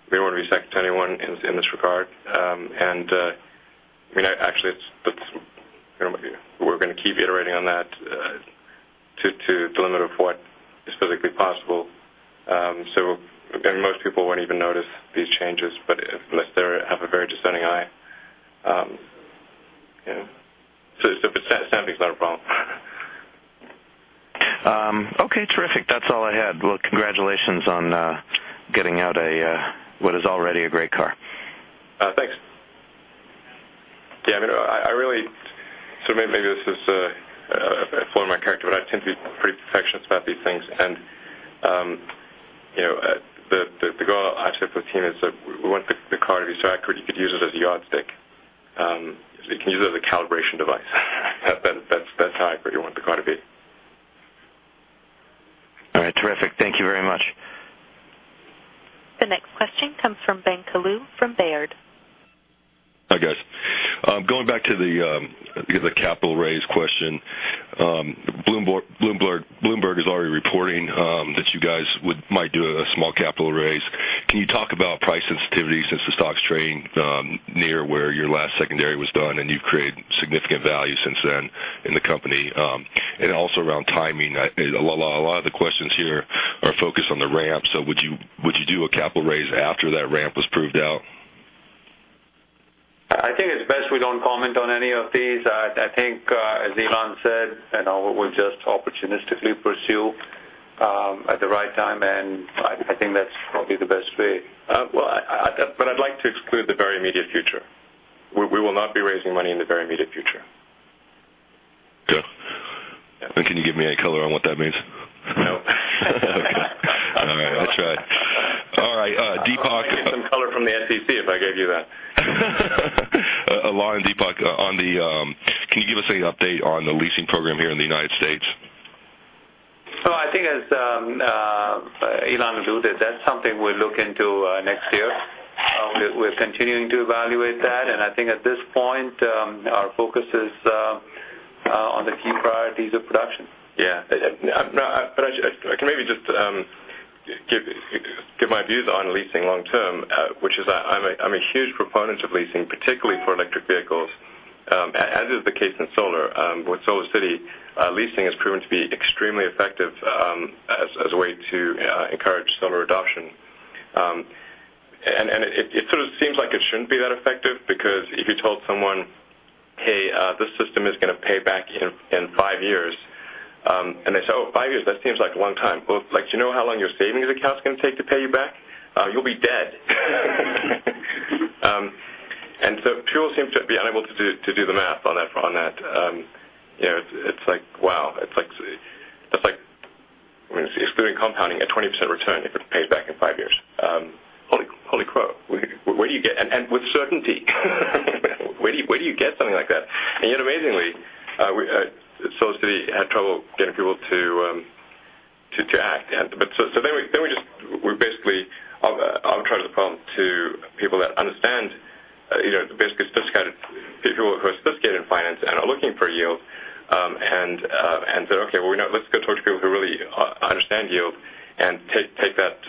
S5: We don't want to be second to anyone in this regard. Actually, we're going to keep iterating on that to the limit of what is physically possible. Again, most people won't even notice these changes, unless they have a very discerning eye. Stamping's not a problem.
S12: Okay, terrific. That's all I had. Well, congratulations on getting out what is already a great car.
S5: Thanks. Yeah, maybe this is a flaw in my character, but I tend to be pretty perfectionist about these things, the goal actually for the team is we want the car to be so accurate you could use it as a yardstick. You can use it as a calibration device. That's how accurate you want the car to be.
S12: All right, terrific. Thank you very much.
S1: The next question comes from Ben Kallo from Baird.
S13: Hi, guys. Going back to the capital raise question. Bloomberg is already reporting that you guys might do a small capital raise. Can you talk about your last secondary was done, and you've created significant value since then in the company. Also around timing, a lot of the questions here are focused on the ramp. Would you do a capital raise after that ramp was proved out?
S4: I think it's best we don't comment on any of these. I think as Elon said, we'll just opportunistically pursue at the right time, and I think that's probably the best way.
S5: Well, I'd like to exclude the very immediate future. We will not be raising money in the very immediate future.
S13: Okay. Can you give me any color on what that means?
S5: No.
S13: Okay. All right, let's try. All right, Deepak-
S5: You might get some color from the SEC if I gave you that.
S13: Elon, Deepak, can you give us any update on the leasing program here in the U.S.?
S4: I think as Elon alluded, that's something we'll look into next year. We're continuing to evaluate that, and I think at this point, our focus is on the key priorities of production.
S5: Yeah. Can I maybe just give my views on leasing long term? Which is, I'm a huge proponent of leasing, particularly for electric vehicles. As is the case in solar. With SolarCity, leasing has proven to be extremely effective as a way to encourage solar adoption. It sort of seems like it shouldn't be that effective, because if you told someone, "Hey, this system is going to pay back in five years," and they say, "Oh, five years, that seems like a long time." Well, do you know how long your savings account's going to take to pay you back? You'll be dead. People seem to be unable to do the math on that. It's like, wow, excluding compounding, a 20% return if it's paid back in five years. Holy crow. Where do you get something like that? Yet amazingly, SolarCity had trouble getting people to act. We basically outreached the problem to people that understand, basically sophisticated people who are sophisticated in finance and are looking for yield, and said, "Okay, well, let's go towards people who really understand yield and take that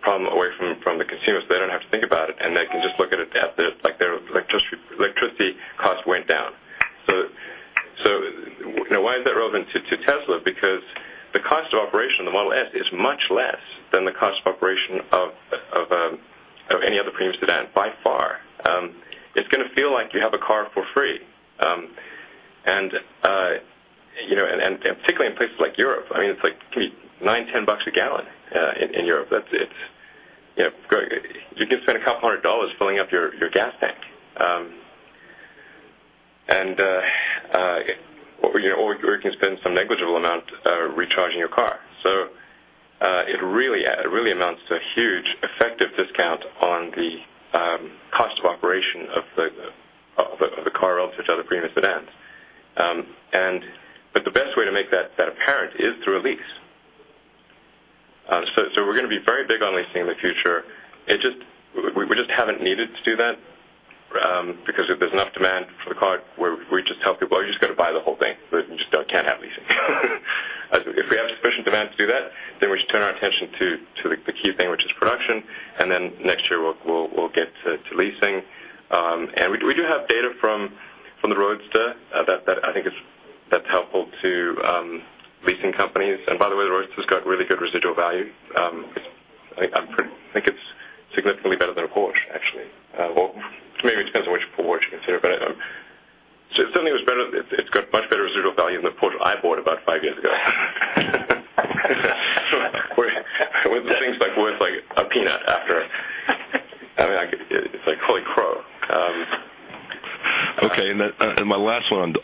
S5: problem away from the consumers, so they don't have to think about it, and they can just look at it like their electricity cost went down." Why is that relevant to Tesla? Because the cost of operation of the Model S is much less than the cost of operation of any other premium sedan, by far. It's going to feel like you have a car for free. Particularly in places like Europe, it can be nine, 10 bucks a gallon in Europe. You can spend a couple hundred dollars filling up your gas tank. You can spend some negligible amount recharging your car. It really amounts to a huge effective discount on the cost of operation of the car relative to other premium sedans. The best way to make that apparent is through a lease. We're going to be very big on leasing in the future. We just haven't needed to do that because there's enough demand for the car where we just tell people, "Oh, you just got to buy the whole thing. We just can't have leasing." If we have sufficient demand to do that, then we just turn our attention to the key thing, which is production, then next year, we'll get to leasing. We do have data from the Roadster that I think that's helpful to leasing companies. By the way, the Roadster's got really good residual value. I think it's significantly better than a Porsche, actually. Maybe it depends on which Porsche you consider, but it certainly was better. It's got much better residual value than the Porsche I bought about five years ago. That thing's worth like a peanut after. It's like, holy crow.
S13: My last one on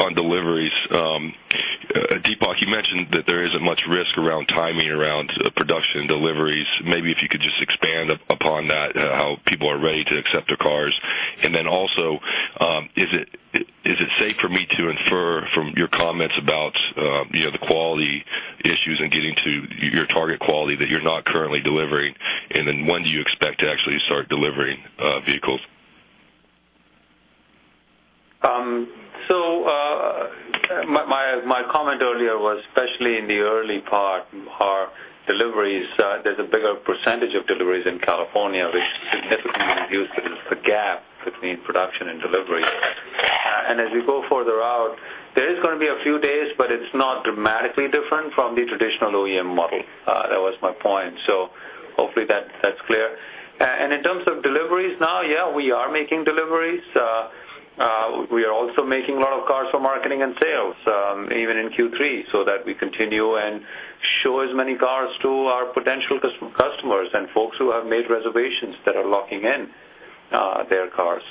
S4: show as many cars to our potential customers and folks who have made reservations that are locking in their cars.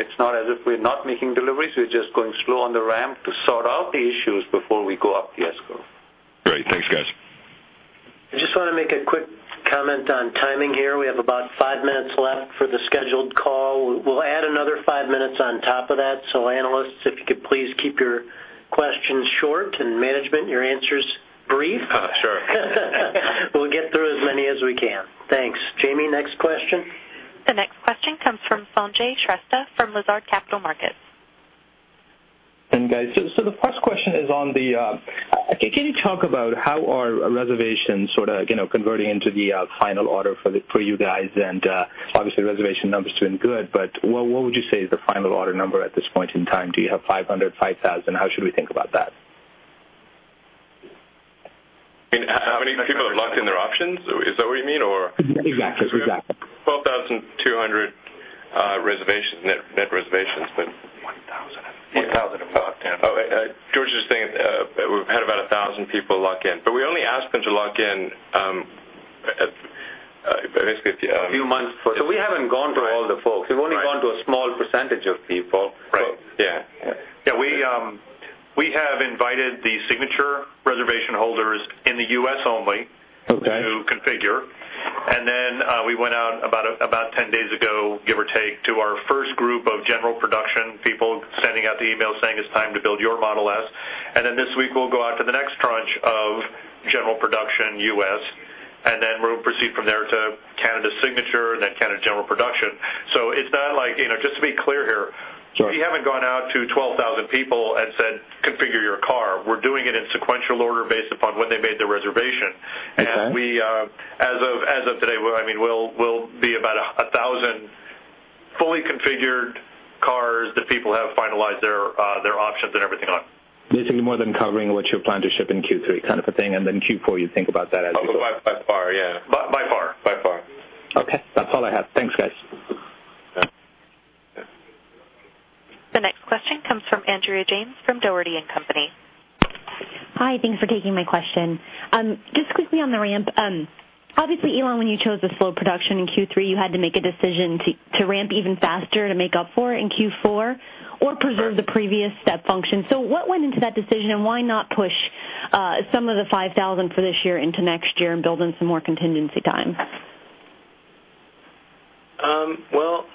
S4: It's not as if we're not making deliveries, we're just going slow on the ramp to sort out the issues before we go up the S-curve.
S13: Great. Thanks, guys.
S2: I just want to make a quick comment on timing here. We have about five minutes left for the scheduled call. We'll add another five minutes on top of that. Analysts, if you could please keep your questions short, and management, your answers brief.
S5: Oh, sure.
S2: We'll get through as many as we can. Thanks. Jamie, next question.
S1: The next question comes from Sanjay Shrestha from Lazard Capital Markets.
S14: Guys, the first question is, can you talk about how are reservations converting into the final order for you guys? Obviously, the reservation number's doing good, what would you say is the final order number at this point in time? Do you have 500, 5,000? How should we think about that?
S5: You mean how many people have locked in their options? Is that what you mean, or?
S14: Exactly.
S5: 12,200 net reservations.
S11: 1,000.
S14: 1,000 have locked in.
S5: George is saying we've had about 1,000 people lock in. We only asked them to lock in, basically.
S14: Few months. We haven't gone to all the folks.
S5: Right.
S14: We've only gone to a small percentage of people.
S5: Right.
S14: Yeah.
S5: Yeah.
S11: We have invited the Signature reservation holders in the U.S. only.
S14: Okay
S11: To configure. We went out about 10 days ago, give or take, to our first group of general production people, sending out the email saying, "It's time to build your Model S." This week, we'll go out to the next tranche of general production U.S., and then we'll proceed from there to Canada Signature, and then Canada general production. Just to be clear here.
S14: Sure
S11: We haven't gone out to 12,000 people and said, "Configure your car." We're doing it in sequential order based upon when they made their reservation.
S14: Okay.
S11: As of today, we'll be about 1,000 fully configured cars that people have finalized their options and everything on.
S14: Basically more than covering what you plan to ship in Q3 kind of a thing. Q4.
S5: Oh, by far, yeah. By far.
S14: Okay. That's all I have. Thanks, guys.
S1: The next question comes from Andrea James, from Dougherty & Company.
S15: Hi, thanks for taking my question. Just quickly on the ramp. Obviously, Elon, when you chose the slow production in Q3, you had to make a decision to ramp even faster to make up for it in Q4, or preserve the previous step function. What went into that decision, and why not push some of the 5,000 for this year into next year and build in some more contingency time?
S5: Well,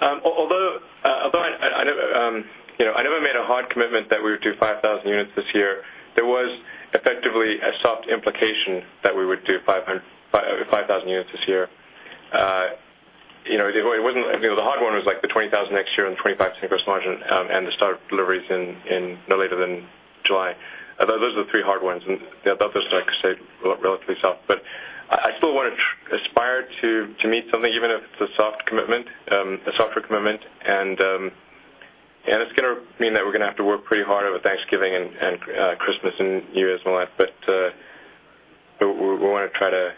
S5: although I never made a hard commitment that we would do 5,000 units this year, there was effectively a soft implication that we would do 5,000 units this year. The hard one was the 20,000 next year and the 25% gross margin, and the start of deliveries no later than July. Those are the three hard ones, and the others are, like I say, relatively soft. I still want to aspire to meet something, even if it's a softer commitment. It's going to mean that we're going to have to work pretty hard over Thanksgiving and Christmas and New Year's and all that, but we want to try to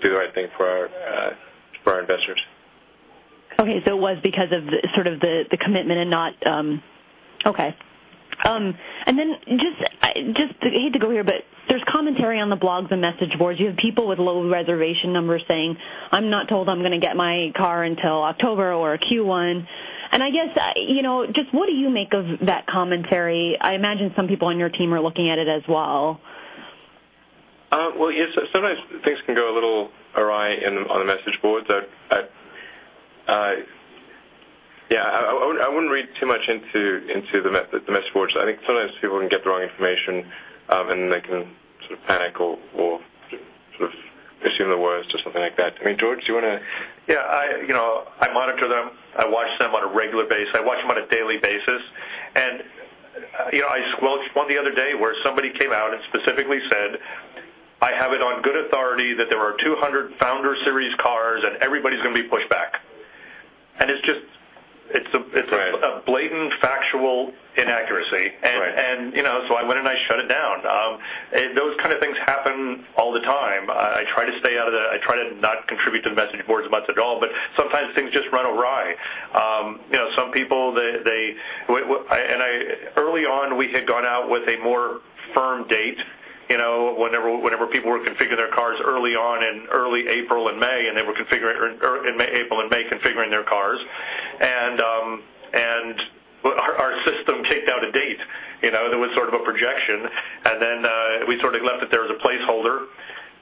S5: do the right thing for our investors.
S15: Okay, it was because of the commitment and not Okay. Just, I hate to go here, but there's commentary on the blogs and message boards. You have people with low reservation numbers saying, "I'm not told I'm going to get my car until October or Q1." I guess, just what do you make of that commentary? I imagine some people on your team are looking at it as well.
S5: Well, yeah, sometimes things can go a little awry on the message boards. Yeah, I wouldn't read too much into the message boards. I think sometimes people can get the wrong information, and they can sort of panic or sort of assume the worst or something like that. I mean, George, do you want to?
S11: Yeah, I monitor them. I watch them on a regular basis. I watch them on a daily basis. I squelched one the other day where somebody came out and specifically said, "I have it on good authority that there are 200 Founder Series cars, and everybody's going to be pushed back.
S5: Right
S11: It was a blatant factual inaccuracy.
S5: Right.
S11: I went, and I shut it down. Those kind of things happen all the time. I try to not contribute to the message boards much at all, but sometimes things just run awry. Some people, Early on, we had gone out with a more firm date, whenever people would configure their cars early on, in early April and May, and they were configuring, or in April and May configuring their cars. Our system kicked out a date. There was sort of a projection, and then we sort of left it there as a placeholder,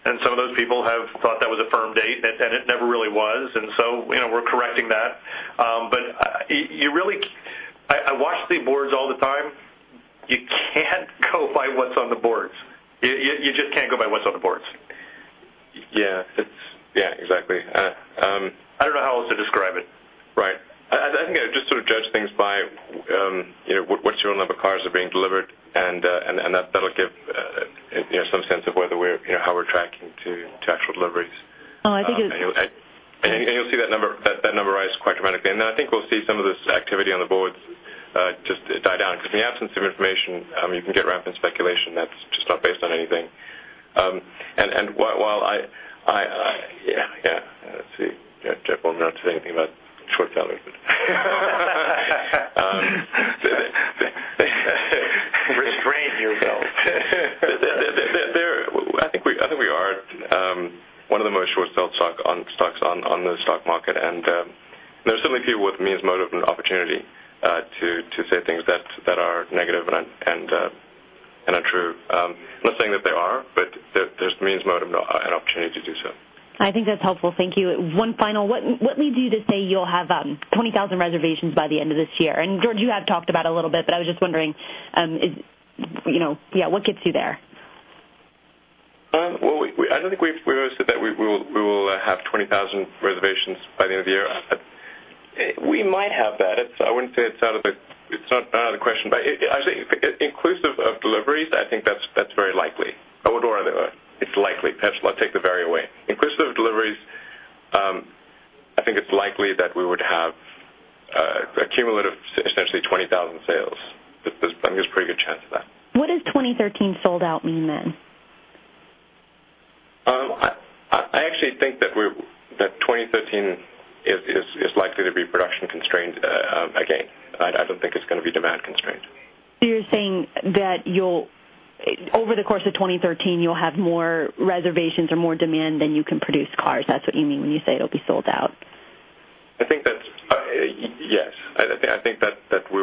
S11: and some of those people have thought that was a firm date, and it never really was. We're correcting that. I watch the boards all the time. You can't go by what's on the boards. You just can't go by what's on the boards.
S5: Yeah, exactly.
S11: I don't know how else to describe it.
S5: Right. I think I just sort of judge things by what's your number of cars are being delivered, and that'll give some sense of how we're tracking to actual deliveries.
S15: Oh, I think it-
S5: You'll see that number rise quite dramatically. I think we'll see some of this activity on the boards just die down, because in the absence of information, you can get rampant speculation that's just not based on anything. Let's see. Jeff won't let me say anything about short sellers, but
S11: Restrain yourself.
S5: I think we are one of the most short-sold stocks on the stock market. There are certainly people with means, motive, and opportunity to say things that are negative and untrue. I'm not saying that they are. There's means, motive, and opportunity to do so.
S15: I think that's helpful. Thank you. One final. What leads you to say you'll have 20,000 reservations by the end of this year? George, you have talked about it a little bit, I was just wondering, what gets you there?
S5: I don't think we've ever said that we will have 20,000 reservations by the end of the year. We might have that. It's not out of the question, but I think inclusive of deliveries, I think that's very likely. Or it's likely. Perhaps I'll take the vary away. Inclusive of deliveries, I think it's likely that we would have a cumulative, essentially 20,000 sales. I think there's a pretty good chance of that.
S15: What does 2013 sold out mean then?
S5: I actually think that 2013 is likely to be production constrained again. I don't think it's going to be demand constrained.
S15: You're saying that over the course of 2013, you'll have more reservations or more demand than you can produce cars. That's what you mean when you say it'll be sold out.
S5: Yes. I think that we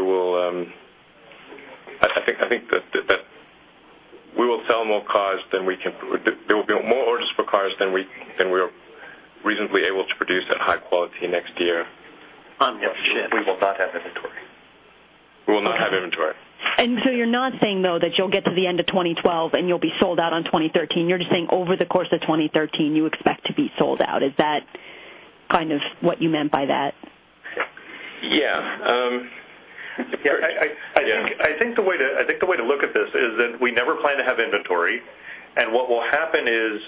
S5: will sell more cars than there will be more orders for cars than we are reasonably able to produce at high quality next year.
S11: We will not have inventory.
S5: We will not have inventory.
S15: You're not saying, though, that you'll get to the end of 2012 and you'll be sold out on 2013. You're just saying over the course of 2013, you expect to be sold out. Is that kind of what you meant by that?
S5: Yeah.
S11: Yeah. I think the way to look at this is that we never plan to have inventory. What will happen is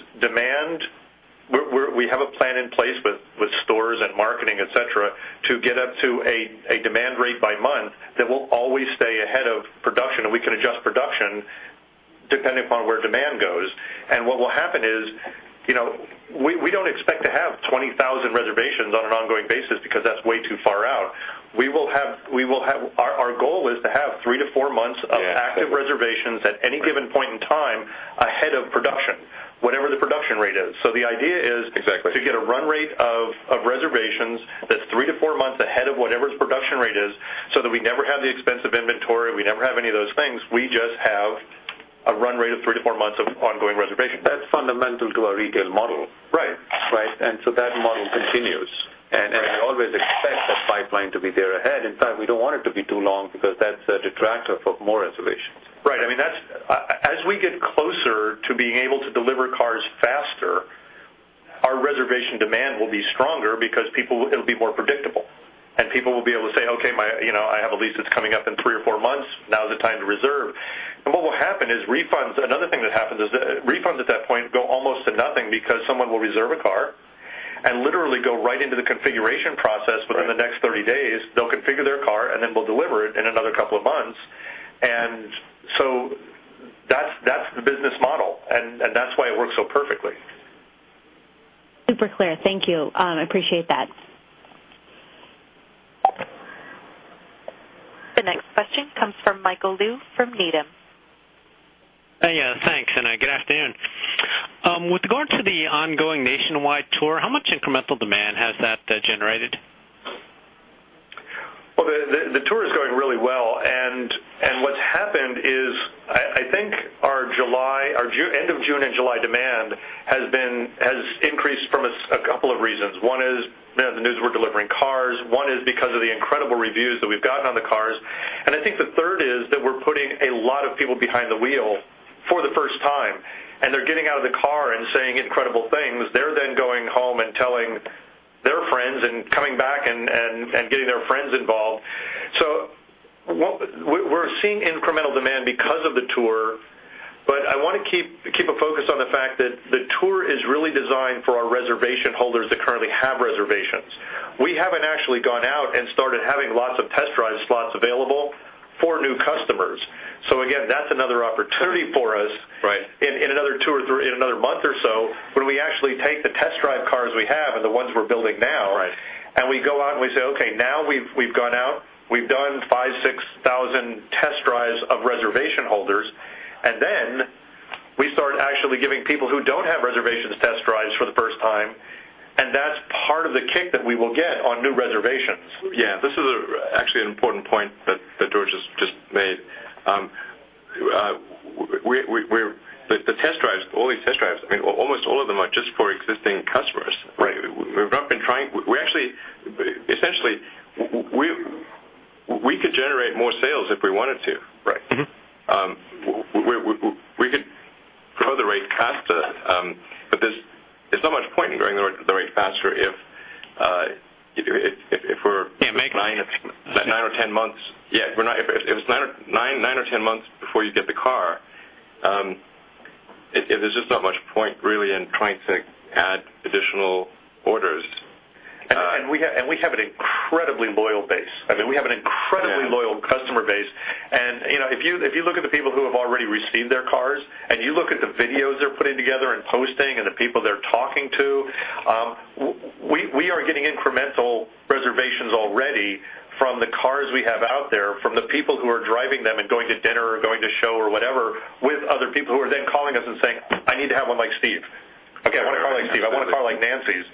S11: we have a plan in place with stores and marketing, et cetera, to get up to a demand rate by month that will always stay ahead of production, and we can adjust production depending upon where demand goes. What will happen is we don't expect to have 20,000 reservations on an ongoing basis because that's way too far out. Our goal is to have three to four months-
S5: Yeah
S11: of active reservations at any given point in time ahead of production, whatever the production rate is. The idea is-
S5: Exactly
S11: to get a run rate of reservations that's three to four months ahead of whatever its production rate is, so that we never have the expensive inventory, we never have any of those things. We just have a run rate of three to four months of ongoing reservations.
S5: That's fundamental to our retail model.
S11: Right.
S5: Right? That model continues. We always expect that pipeline to be there ahead. In fact, we don't want it to be too long because that's a detractor for more reservations.
S11: Right. As we get closer to being able to deliver cars faster, our reservation demand will be stronger because it'll be more predictable. People will be able to say, "Okay, I have a lease that's coming up in three or four months. Now's the time to reserve." Another thing that happens is refunds at that point go almost to nothing because someone will reserve a car and literally go right into the configuration process within the next 30 days. They'll configure their car, then we'll deliver it in another couple of months. That's the business model, and that's why it works so perfectly.
S15: Super clear. Thank you. I appreciate that.
S1: The next question comes from Michael Lu from Needham.
S16: Thanks, and good afternoon. With regard to the ongoing nationwide tour, how much incremental demand has that generated?
S11: Well, the tour is going really well, what's happened is, I think our end of June and July demand has increased from a couple of reasons. One is the news we're delivering cars. One is because of the incredible reviews that we've gotten on the cars. I think the third is that we're putting a lot of people behind the wheel for the first time, they're getting out of the car and saying incredible things. They're going home telling their friends coming back and getting their friends involved. We're seeing incremental demand because of the tour, I want to keep a focus on the fact that the tour is really designed for our reservation holders that currently have reservations. We haven't actually gone out and started having lots of test drive slots available for new customers. Again, that's another opportunity for us.
S5: Right
S11: In another month or so, when we actually take the test drive cars we have and the ones we're building now.
S5: Right
S11: We go out and we say, okay, now we've gone out, we've done 5,000, 6,000 test drives of reservation holders. Then we start actually giving people who don't have reservations test drives for the first time, and that's part of the kick that we will get on new reservations.
S5: Yeah, this is actually an important point that George has just made. The test drives, all these test drives, almost all of them are just for existing customers.
S11: Right.
S5: Essentially, we could generate more sales if we wanted to.
S11: Right.
S5: We could grow the rate faster, there's not much point in growing the rate faster.
S11: Can't make them
S5: nine or 10 months. Yeah. If it's nine or 10 months before you get the car, there's just not much point really in trying to add additional orders.
S11: We have an incredibly loyal base. We have an incredibly-
S5: Yeah
S11: loyal customer base, and if you look at the people who have already received their cars, and you look at the videos they're putting together and posting and the people they're talking to, we are getting incremental reservations already from the cars we have out there, from the people who are driving them and going to dinner or going to show or whatever with other people who are then calling us and saying, "I need to have one like Steve.
S5: Yeah.
S11: Okay, I want a car like Steve. I want a car like Nancy's."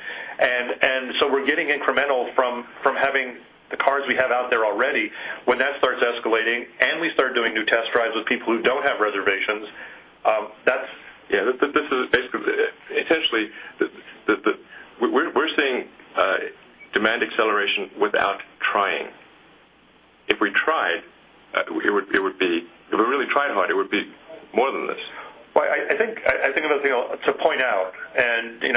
S11: We're getting incremental from having the cars we have out there already. When that starts escalating and we start doing new test drives with people who don't have reservations, that's.
S5: Yeah. Potentially, if we really tried hard, it would be more than this.
S11: I think another thing to point out, and you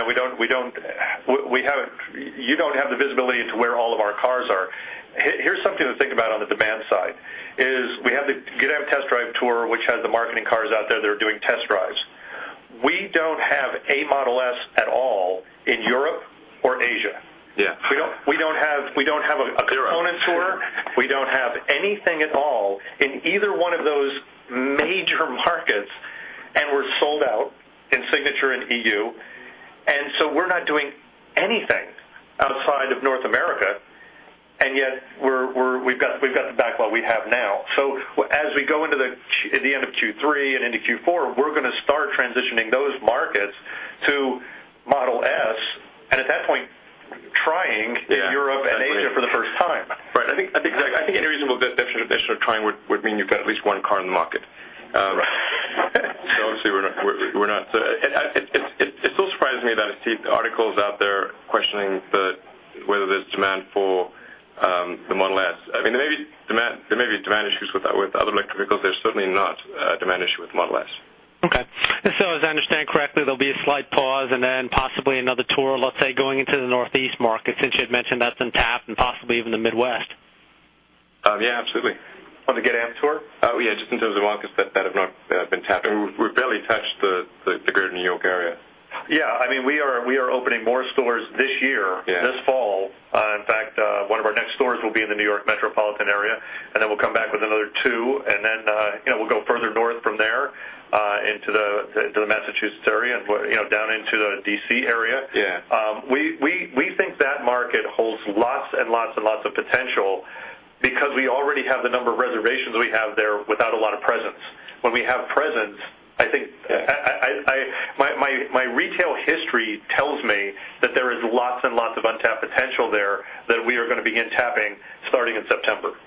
S11: don't have the visibility into where all of our cars are. Here's something to think about on the demand side is we have the Get Out and Test Drive Tour, which has the marketing cars out there that are doing test drives. We don't have a Model S at all in Europe or Asia.
S5: Yeah.
S11: We don't have a component tour. We don't have anything at all in either one of those major markets, and we're sold out in Signature in E.U. We're not doing anything outside of North America, and yet we've got the backlog we have now. As we go into the end of Q3 and into Q4, we're going to start transitioning those markets to Model S, and at that point, trying.
S5: Yeah.
S11: in Europe and Asia for the first time.
S5: Right. I think any reasonable definition of trying would mean you've got at least one car in the market.
S11: Right.
S5: Obviously, we're not. It still surprises me that I see articles out there questioning whether there's demand for the Model S. There may be demand issues with other electric vehicles. There's certainly not a demand issue with Model S.
S16: Okay. As I understand correctly, there'll be a slight pause and then possibly another tour, let's say, going into the Northeast market, since you had mentioned that's untapped, and possibly even the Midwest.
S5: Yeah, absolutely.
S11: On the Get Amped Tour?
S5: Yeah, just in terms of markets that have not been tapped. We've barely touched the greater New York area.
S11: Yeah. We are opening more stores this year.
S5: Yeah
S11: this fall. In fact, one of our next stores will be in the New York metropolitan area. Then we'll come back with another two, and then we'll go further north from there into the Massachusetts area and down into the D.C. area.
S5: Yeah.
S11: We think that market holds lots and lots and lots of potential because we already have the number of reservations we have there without a lot of presence. When we have presence, my retail history tells me that there is lots and lots of untapped potential there that we are going to begin tapping starting in September.
S5: Yeah.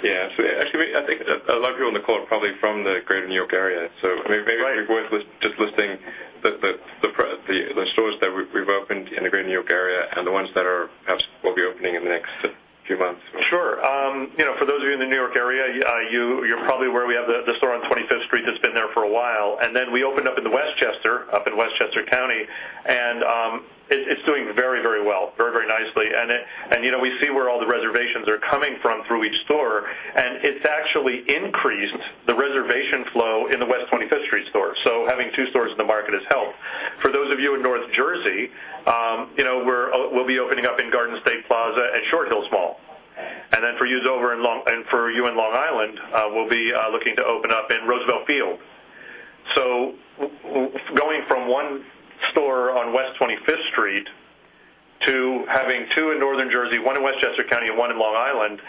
S5: Actually, I think a lot of people on the call are probably from the greater New York area. So maybe.
S11: Right
S5: It's worth just listing the stores that we've opened in the greater New York area and the ones that perhaps will be opening in the next few months.
S11: Sure. For those of you in the New York area, you're probably aware we have the store on 25th Street that's been there for a while. We opened up in Westchester, up in Westchester County, and it's doing very well. Very nicely. We see where all the reservations are coming from through each store, and it's actually increased the reservation flow in the West 25th Street store. Having two stores in the market has helped. For those of you in North Jersey, we'll be opening up in Garden State Plaza and Short Hills Mall. For you in Long Island, we'll be looking to open up in Roosevelt Field. Going from one store on West 25th Street to having two in Northern Jersey, one in Westchester County and one in Long Island,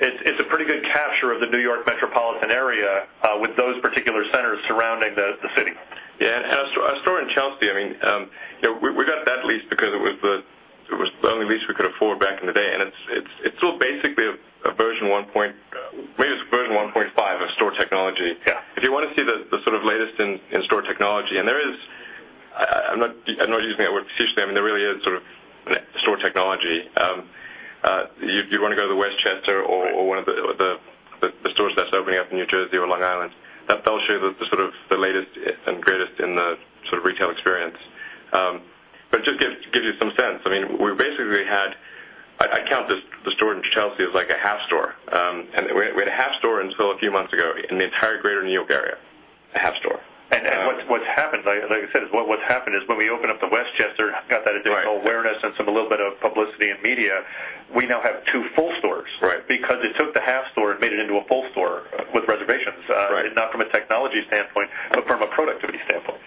S11: it's a pretty good capture of the New York metropolitan area with those particular centers surrounding the city.
S5: Yeah, our store in Chelsea, we got that lease because it was the only lease we could afford back in the day. It's still basically maybe version 1.5 of store technology.
S11: Yeah.
S5: If you want to see the latest in store technology, I'm not using that word facetiously. There really is store technology. You'd want to go to the Westchester or one of the stores that's opening up in New Jersey or Long Island. That will show you the latest and greatest in the retail experience. It just gives you some sense. We basically had, I count the store in Chelsea as like a half store. We had a half store until a few months ago in the entire greater New York area. A half store.
S11: like I said, what's happened is when we opened up the Westchester, got that.
S5: Right
S11: awareness and a little bit of publicity and media, we now have two full stores.
S5: Right.
S11: it took the half store and made it into a full store with reservations.
S5: Right.
S11: not from a technology standpoint, but from a productivity standpoint.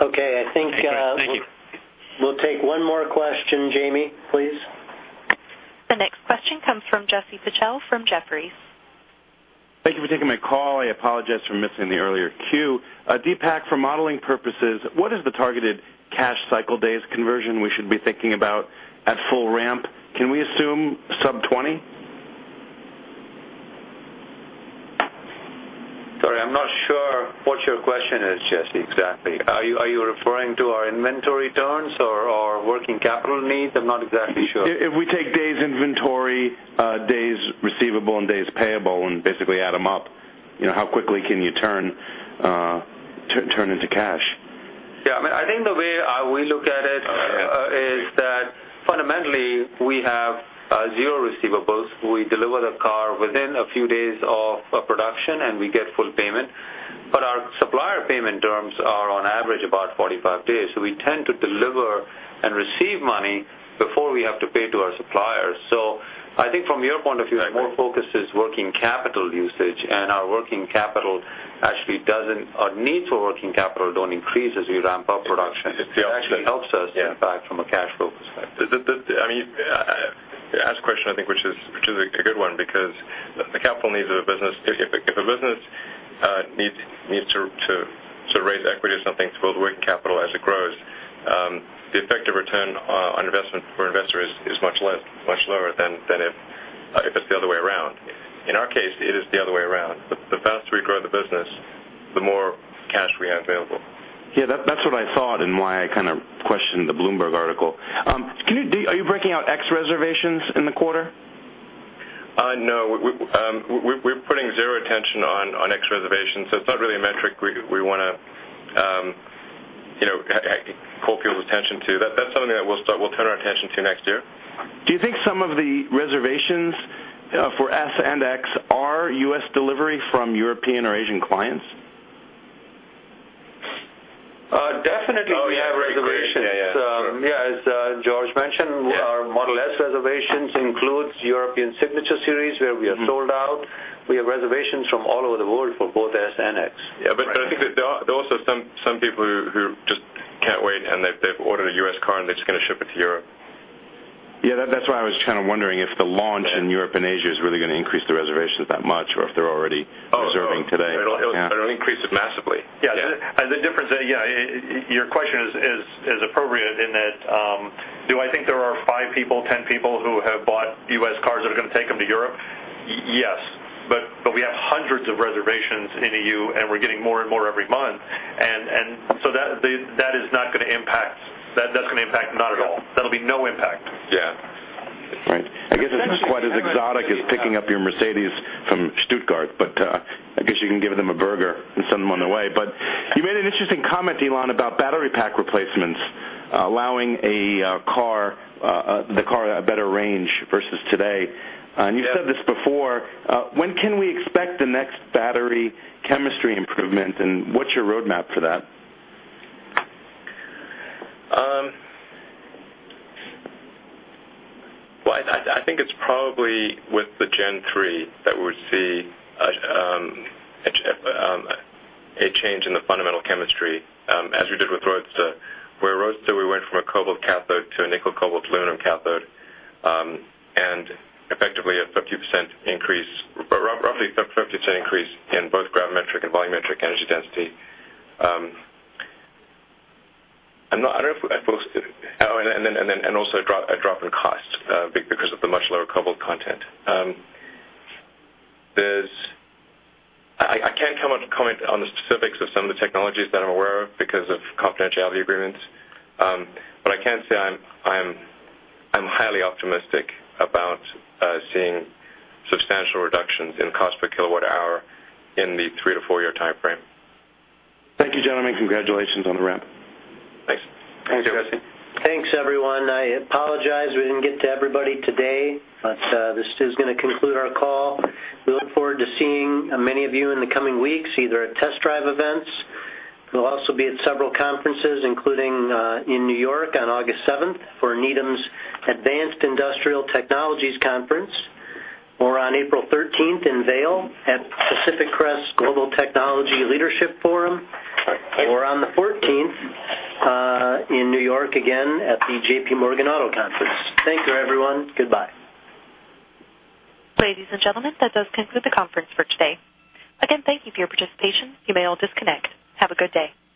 S16: Okay.
S2: Thank you. We'll take one more question. Jamie, please.
S1: The next question comes from Jesse Pichel from Jefferies.
S17: Thank you for taking my call. I apologize for missing the earlier queue. Deepak, for modeling purposes, what is the targeted cash cycle days conversion we should be thinking about at full ramp? Can we assume sub-20?
S4: Sorry, I'm not sure what your question is, Jesse, exactly. Are you referring to our inventory turns or our working capital needs? I'm not exactly sure.
S17: If we take days inventory, days receivable, and days payable, and basically add them up, how quickly can you turn into cash?
S4: Yeah, I think the way we look at it is that fundamentally, we have zero receivables. We deliver the car within a few days of production, and we get full payment. Our supplier payment terms are on average about 45 days. We tend to deliver and receive money before we have to pay to our suppliers. I think from your point of view.
S5: Exactly
S4: more focus is working capital usage, and our need for working capital don't increase as we ramp up production.
S5: Yeah.
S4: It actually helps us, in fact, from a cash flow perspective.
S5: You asked a question, I think, which is a good one because the capital needs of a business, if a business needs to raise equity or something to build working capital as it grows, the effective return on investment for an investor is much lower than if it's the other way around. In our case, it is the other way around. The faster we grow the business.
S17: Yeah, that's what I thought and why I questioned the Bloomberg article. Are you breaking out X reservations in the quarter?
S5: No, we're putting zero attention on X reservations. It's not really a metric we want to call people's attention to. That's something that we'll turn our attention to next year.
S17: Do you think some of the reservations for S and X are U.S. delivery from European or Asian clients?
S11: Definitely we have reservations.
S5: Oh, yeah. Sure. Yeah, as George mentioned. Yeah Our Model S reservations includes European Signature Series, where we are sold out. We have reservations from all over the world for both S and X. Yeah, I think that there are also some people who just can't wait, and they've ordered a U.S. car, and they're just going to ship it to Europe.
S17: Yeah, that's why I was wondering if the launch in Europe and Asia is really going to increase the reservations that much, or if they're already reserving today.
S5: Oh, no. It'll increase it massively.
S11: Yeah. The difference, your question is appropriate in that do I think there are five people, 10 people who have bought U.S. cars that are going to take them to Europe? Yes. We have hundreds of reservations in EU, and we're getting more and more every month. That is not going to impact. That's going to impact not at all. That'll be no impact.
S5: Yeah.
S17: Right. I guess it's not quite as exotic as picking up your Mercedes from Stuttgart, but I guess you can give them a burger and send them on their way. You made an interesting comment, Elon, about battery pack replacements allowing the car a better range versus today.
S5: Yeah.
S17: You've said this before. When can we expect the next battery chemistry improvement, and what's your roadmap for that?
S5: I think it's probably with the Gen3 that we'll see a change in the fundamental chemistry as we did with Roadster, where Roadster we went from a cobalt cathode to a nickel cobalt aluminum cathode and effectively a 50% increase, roughly a 50% increase in both gravimetric and volumetric energy density. Also a drop in cost because of the much lower cobalt content. I can't comment on the specifics of some of the technologies that I'm aware of because of confidentiality agreements. I can say I'm highly optimistic about seeing substantial reductions in cost per kilowatt hour in the three- to four-year timeframe.
S17: Thank you, gentlemen. Congratulations on the ramp.
S5: Thanks.
S11: Thanks.
S2: Thanks, Jesse. Thanks, everyone. I apologize we didn't get to everybody today. This is going to conclude our call. We look forward to seeing many of you in the coming weeks, either at test drive events. We'll also be at several conferences, including in New York on August 7th for Needham Advanced Industrial Tech Conference, or on April 13th in Vail at Pacific Crest Global Technology Leadership Forum, or on the 14th in New York again at the J.P. Morgan Auto Conference. Thank you, everyone. Goodbye.
S1: Ladies and gentlemen, that does conclude the conference for today. Again, thank you for your participation. You may all disconnect. Have a good day.